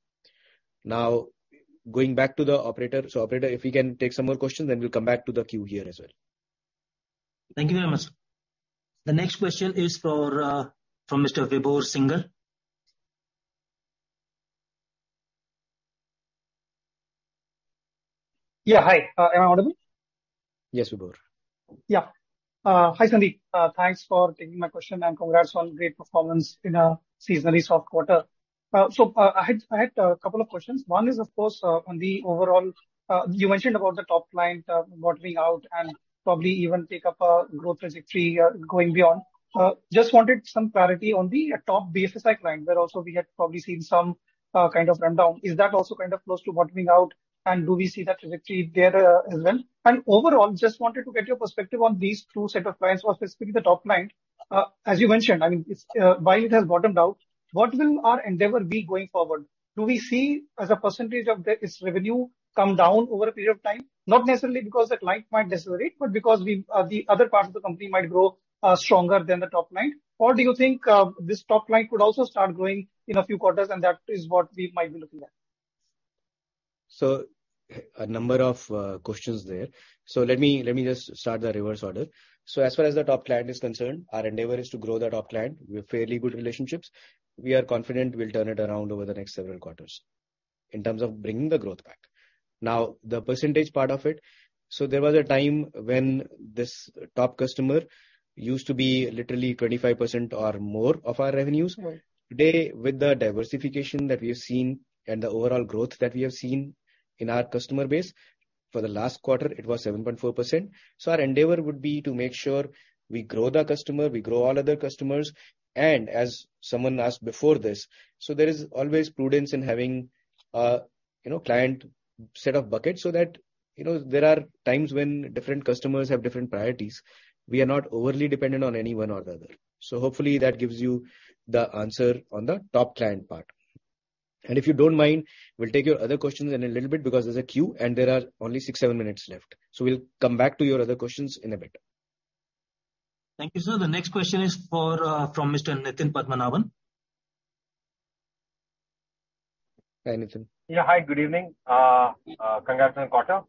Going back to the operator. Operator, if we can take some more questions, then we'll come back to the queue here as well. Thank you very much. The next question is for, from Mr. Vibhor Singhal. Yeah, hi. Am I audible? Yes, Vibhor. Yeah. Hi, Sandeep. Thanks for taking my question, and congrats on great performance in a seasonally soft quarter. I had a couple of questions. One is, of course, on the overall, you mentioned about the top client, modeling out and probably even take up a growth trajectory, going beyond. Just wanted some clarity on the top BFSI client, where also we had probably seen some kind of rundown. Is that also kind of close to bottoming out, and do we see that trajectory there as well? Overall, just wanted to get your perspective on these two set of clients or specifically the top nine. As you mentioned, I mean, it's while it has bottomed out, what will our endeavor be going forward? Do we see as a percentage of the its revenue come down over a period of time? Not necessarily because that client might decelerate, but because we, the other parts of the company might grow, stronger than the top line. Do you think, this top line could also start growing in a few quarters and that is what we might be looking at? A number of questions there. Let me just start the reverse order. As far as the top client is concerned, our endeavor is to grow the top client. We have fairly good relationships. We are confident we'll turn it around over the next several quarters in terms of bringing the growth back. Now, the percentage part of it, there was a time when this top customer used to be literally 25% or more of our revenues. Mm-hmm. Today, with the diversification that we have seen and the overall growth that we have seen in our customer base, for the last quarter it was 7.4%. Our endeavor would be to make sure we grow the customer, we grow all other customers. As someone asked before this, there is always prudence in having a, you know, client set of buckets so that, you know, there are times when different customers have different priorities. We are not overly dependent on any one or the other. Hopefully that gives you the answer on the top client part. If you don't mind, we'll take your other questions in a little bit because there's a queue and there are only six, seven minutes left. We'll come back to your other questions in a bit. Thank you, sir. The next question is from Mr. Nitin Padmanabhan. Hi, Nitin. Yeah, hi. Good evening. Congrats on the quarter.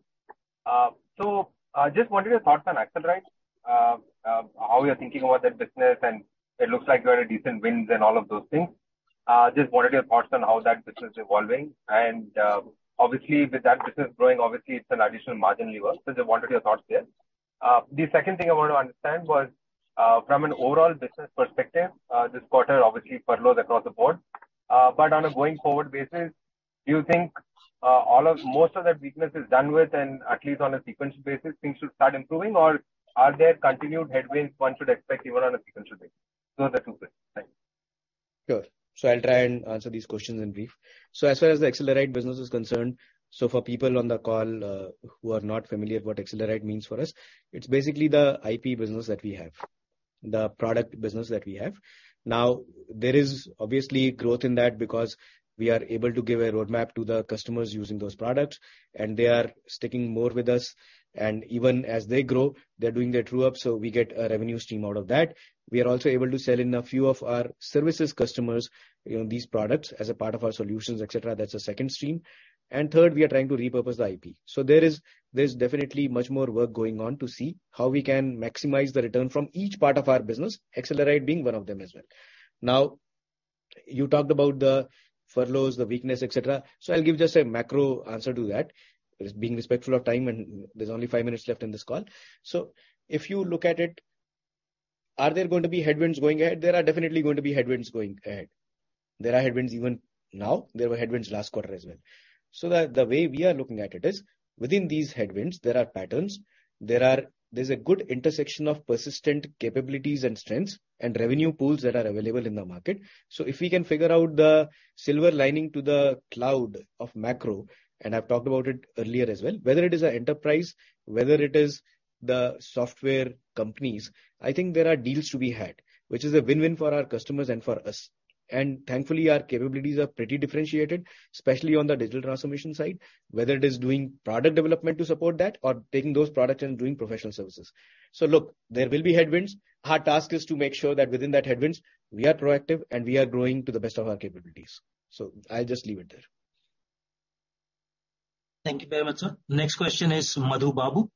Just wanted your thoughts on Accelerite. How you're thinking about that business, and it looks like you had a decent wins and all of those things. Just wanted your thoughts on how that business is evolving. Obviously with that business growing, obviously it's an additional margin lever. Just wanted your thoughts there. The second thing I wanted to understand was, from an overall business perspective, this quarter obviously furloughs across the board. On a going forward basis, do you think most of that weakness is done with and at least on a sequential basis, things should start improving? Are there continued headwinds one should expect even on a sequential basis? Those are two things. Thank you. Sure. I'll try and answer these questions in brief. As far as the Accelerite business is concerned, for people on the call, who are not familiar what Accelerite means for us, it's basically the IP business that we have, the product business that we have. There is obviously growth in that because we are able to give a roadmap to the customers using those products, and they are sticking more with us. Even as they grow, they're doing their true up, so we get a revenue stream out of that. We are also able to sell in a few of our services customers, you know, these products as a part of our solutions, et cetera. That's the second stream. Third, we are trying to repurpose the IP. There is, there's definitely much more work going on to see how we can maximize the return from each part of our business, Accelerite being one of them as well. You talked about the furloughs, the weakness, et cetera. I'll give just a macro answer to that. Just being respectful of time and there's only five minutes left in this call. If you look at it, are there going to be headwinds going ahead? There are definitely going to be headwinds going ahead. There are headwinds even now, there were headwinds last quarter as well. The way we are looking at it is within these headwinds, there are patterns. There's a good intersection of Persistent capabilities and strengths and revenue pools that are available in the market. If we can figure out the silver lining to the cloud of macro, and I've talked about it earlier as well, whether it is an enterprise, whether it is the software companies, I think there are deals to be had, which is a win-win for our customers and for us. Thankfully, our capabilities are pretty differentiated, especially on the digital transformation side, whether it is doing product development to support that or taking those products and doing professional services. Look, there will be headwinds. Our task is to make sure that within that headwinds, we are proactive and we are growing to the best of our capabilities. I'll just leave it there. Thank you very much, sir. Next question is Madhu Babu.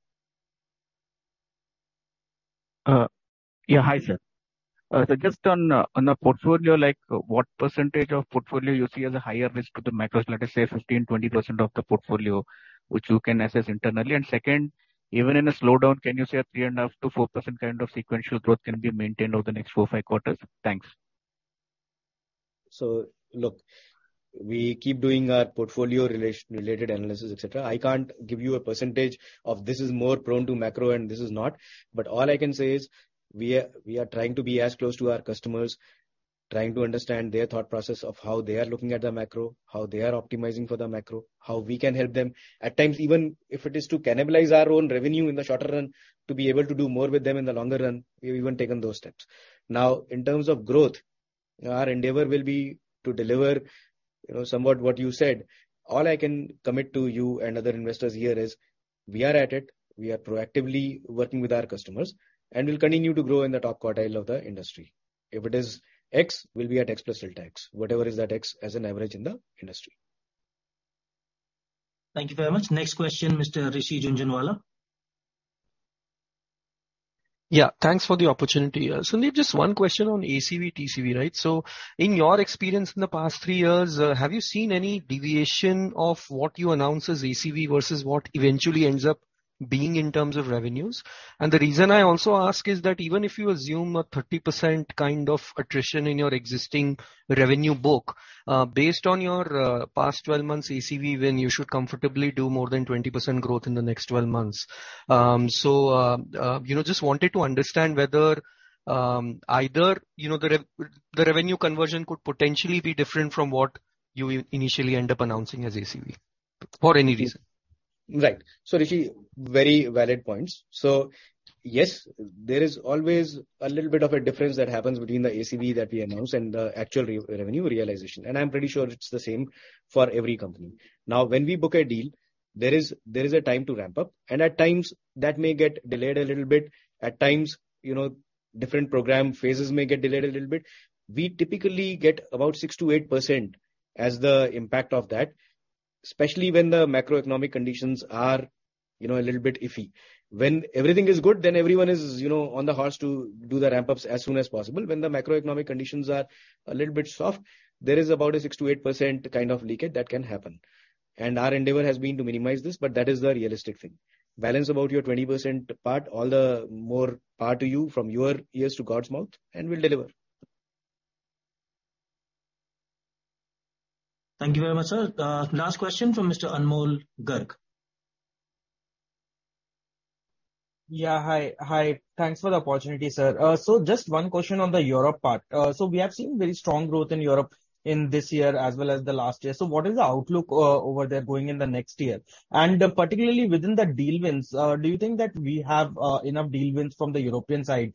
Yeah. Hi, sir. So just on the portfolio, like what percentage of portfolio you see as a higher risk to the macros, let us say 15% to 20% of the portfolio which you can assess internally? Second, even in a slowdown, can you say a 3.5% to 4% kind of sequential growth can be maintained over the next four to five quarters? Thanks. Look, we keep doing our portfolio related analysis, et cetera. I can't give you a percentage of this is more prone to macro and this is not. All I can say is we are trying to be as close to our customers, trying to understand their thought process of how they are looking at the macro, how they are optimizing for the macro, how we can help them. At times, even if it is to cannibalize our own revenue in the shorter run to be able to do more with them in the longer run, we've even taken those steps. In terms of growth, our endeavor will be to deliver, you know, somewhat what you said. All I can commit to you and other investors here is we are at it. We are proactively working with our customers, and we'll continue to grow in the top quartile of the industry. If it is X, we'll be at X plus delta X, whatever is that X as an average in the industry. Thank you very much. Next question, Mr. Rishi Jhunjhunwala. Yeah. Thanks for the opportunity. Sandeep, just one question on ACV, TCV, right? In your experience in the past three years, have you seen any deviation of what you announce as ACV versus what eventually ends up being in terms of revenues? The reason I also ask is that even if you assume a 30% kind of attrition in your existing revenue book, based on your past 12 months ACV, when you should comfortably do more than 20% growth in the next 12 months. You know, just wanted to understand whether, either, you know, the revenue conversion could potentially be different from what you initially end up announcing as ACV for any reason. Right. Rishi, very valid points. Yes, there is always a little bit of a difference that happens between the ACV that we announce and the actual re-revenue realization, and I'm pretty sure it's the same for every company. When we book a deal, there is a time to ramp up, and at times that may get delayed a little bit. At times, you know, different program phases may get delayed a little bit. We typically get about 6% to 8% as the impact of that, especially when the macroeconomic conditions are, you know, a little bit iffy. When everything is good, then everyone is, you know, on the horse to do the ramp-ups as soon as possible. When the macroeconomic conditions are a little bit soft, there is about a 6% to 8% kind of leakage that can happen. Our endeavor has been to minimize this, but that is the realistic thing. Balance about your 20% part, all the more power to you from your ears to God's mouth, and we'll deliver. Thank you very much, sir. Last question from Mr. Anmol Garg. Yeah. Hi. Hi. Thanks for the opportunity, sir. Just one question on the Europe part. We have seen very strong growth in Europe in this year as well as the last year. What is the outlook over there going in the next year? Particularly within the deal wins, do you think that we have enough deal wins from the European side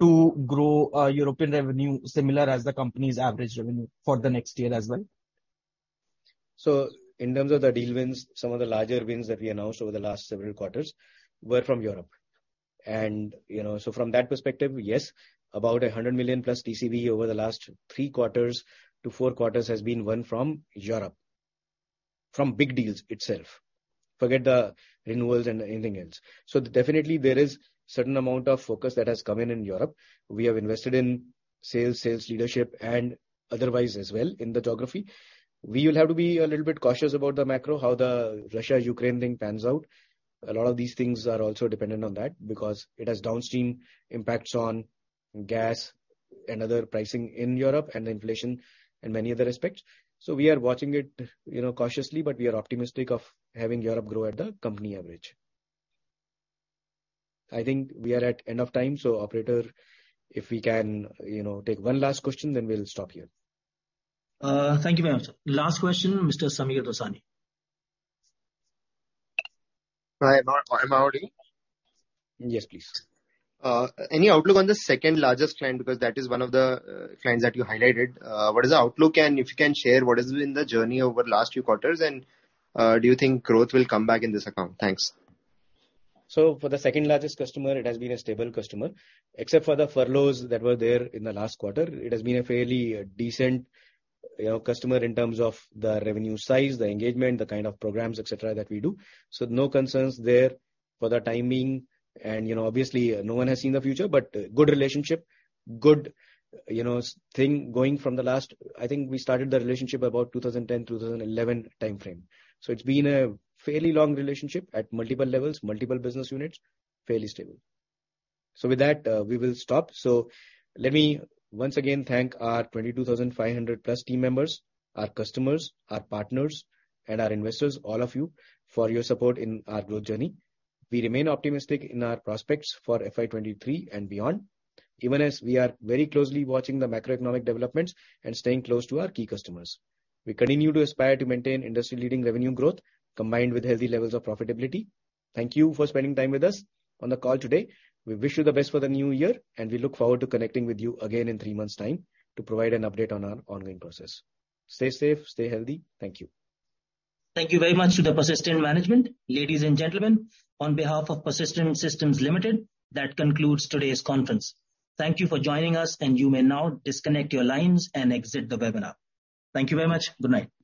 to grow European revenue similar as the company's average revenue for the next year as well? In terms of the deal wins, some of the larger wins that we announced over the last several quarters were from Europe. You know, from that perspective, yes, about $100 million+ TCV over the last three to four quarters has been won from Europe, from big deals itself. Forget the renewals and anything else. Definitely there is certain amount of focus that has come in in Europe. We have invested in sales leadership and otherwise as well in the geography. We will have to be a little bit cautious about the macro, how the Russia-Ukraine thing pans out. A lot of these things are also dependent on that because it has downstream impacts on gas and other pricing in Europe and inflation in many other respects. We are watching it, you know, cautiously, but we are optimistic of having Europe grow at the company average. I think we are at end of time. Operator, if we can, you know, take one last question, then we'll stop here. Thank you very much, sir. Last question, Mr. Sameer Dosani. Hi. Am I audible? Yes, please. Any outlook on the second-largest client, because that is one of the clients that you highlighted. What is the outlook? If you can share, what has been the journey over the last few quarters? Do you think growth will come back in this account? Thanks. For the second-largest customer, it has been a stable customer. Except for the furloughs that were there in the last quarter, it has been a fairly decent, you know, customer in terms of the revenue size, the engagement, the kind of programs, et cetera, that we do. No concerns there for the time being. You know, obviously no one has seen the future, but good relationship, good, you know, thing going. I think we started the relationship about 2010, 2011 timeframe. It's been a fairly long relationship at multiple levels, multiple business units, fairly stable. With that, we will stop. Let me once again thank our 22,500+ team members, our customers, our partners and our investors, all of you, for your support in our growth journey. We remain optimistic in our prospects for FY 2023 and beyond, even as we are very closely watching the macroeconomic developments and staying close to our key customers. We continue to aspire to maintain industry-leading revenue growth combined with healthy levels of profitability. Thank you for spending time with us on the call today. We wish you the best for the new year, and we look forward to connecting with you again in three months' time to provide an update on our ongoing process. Stay safe. Stay healthy. Thank you. Thank you very much to the Persistent management. Ladies and gentlemen, on behalf of Persistent Systems Limited, that concludes today's Conference. Thank you for joining us. You may now disconnect your lines and exit the webinar. Thank you very much. Good night.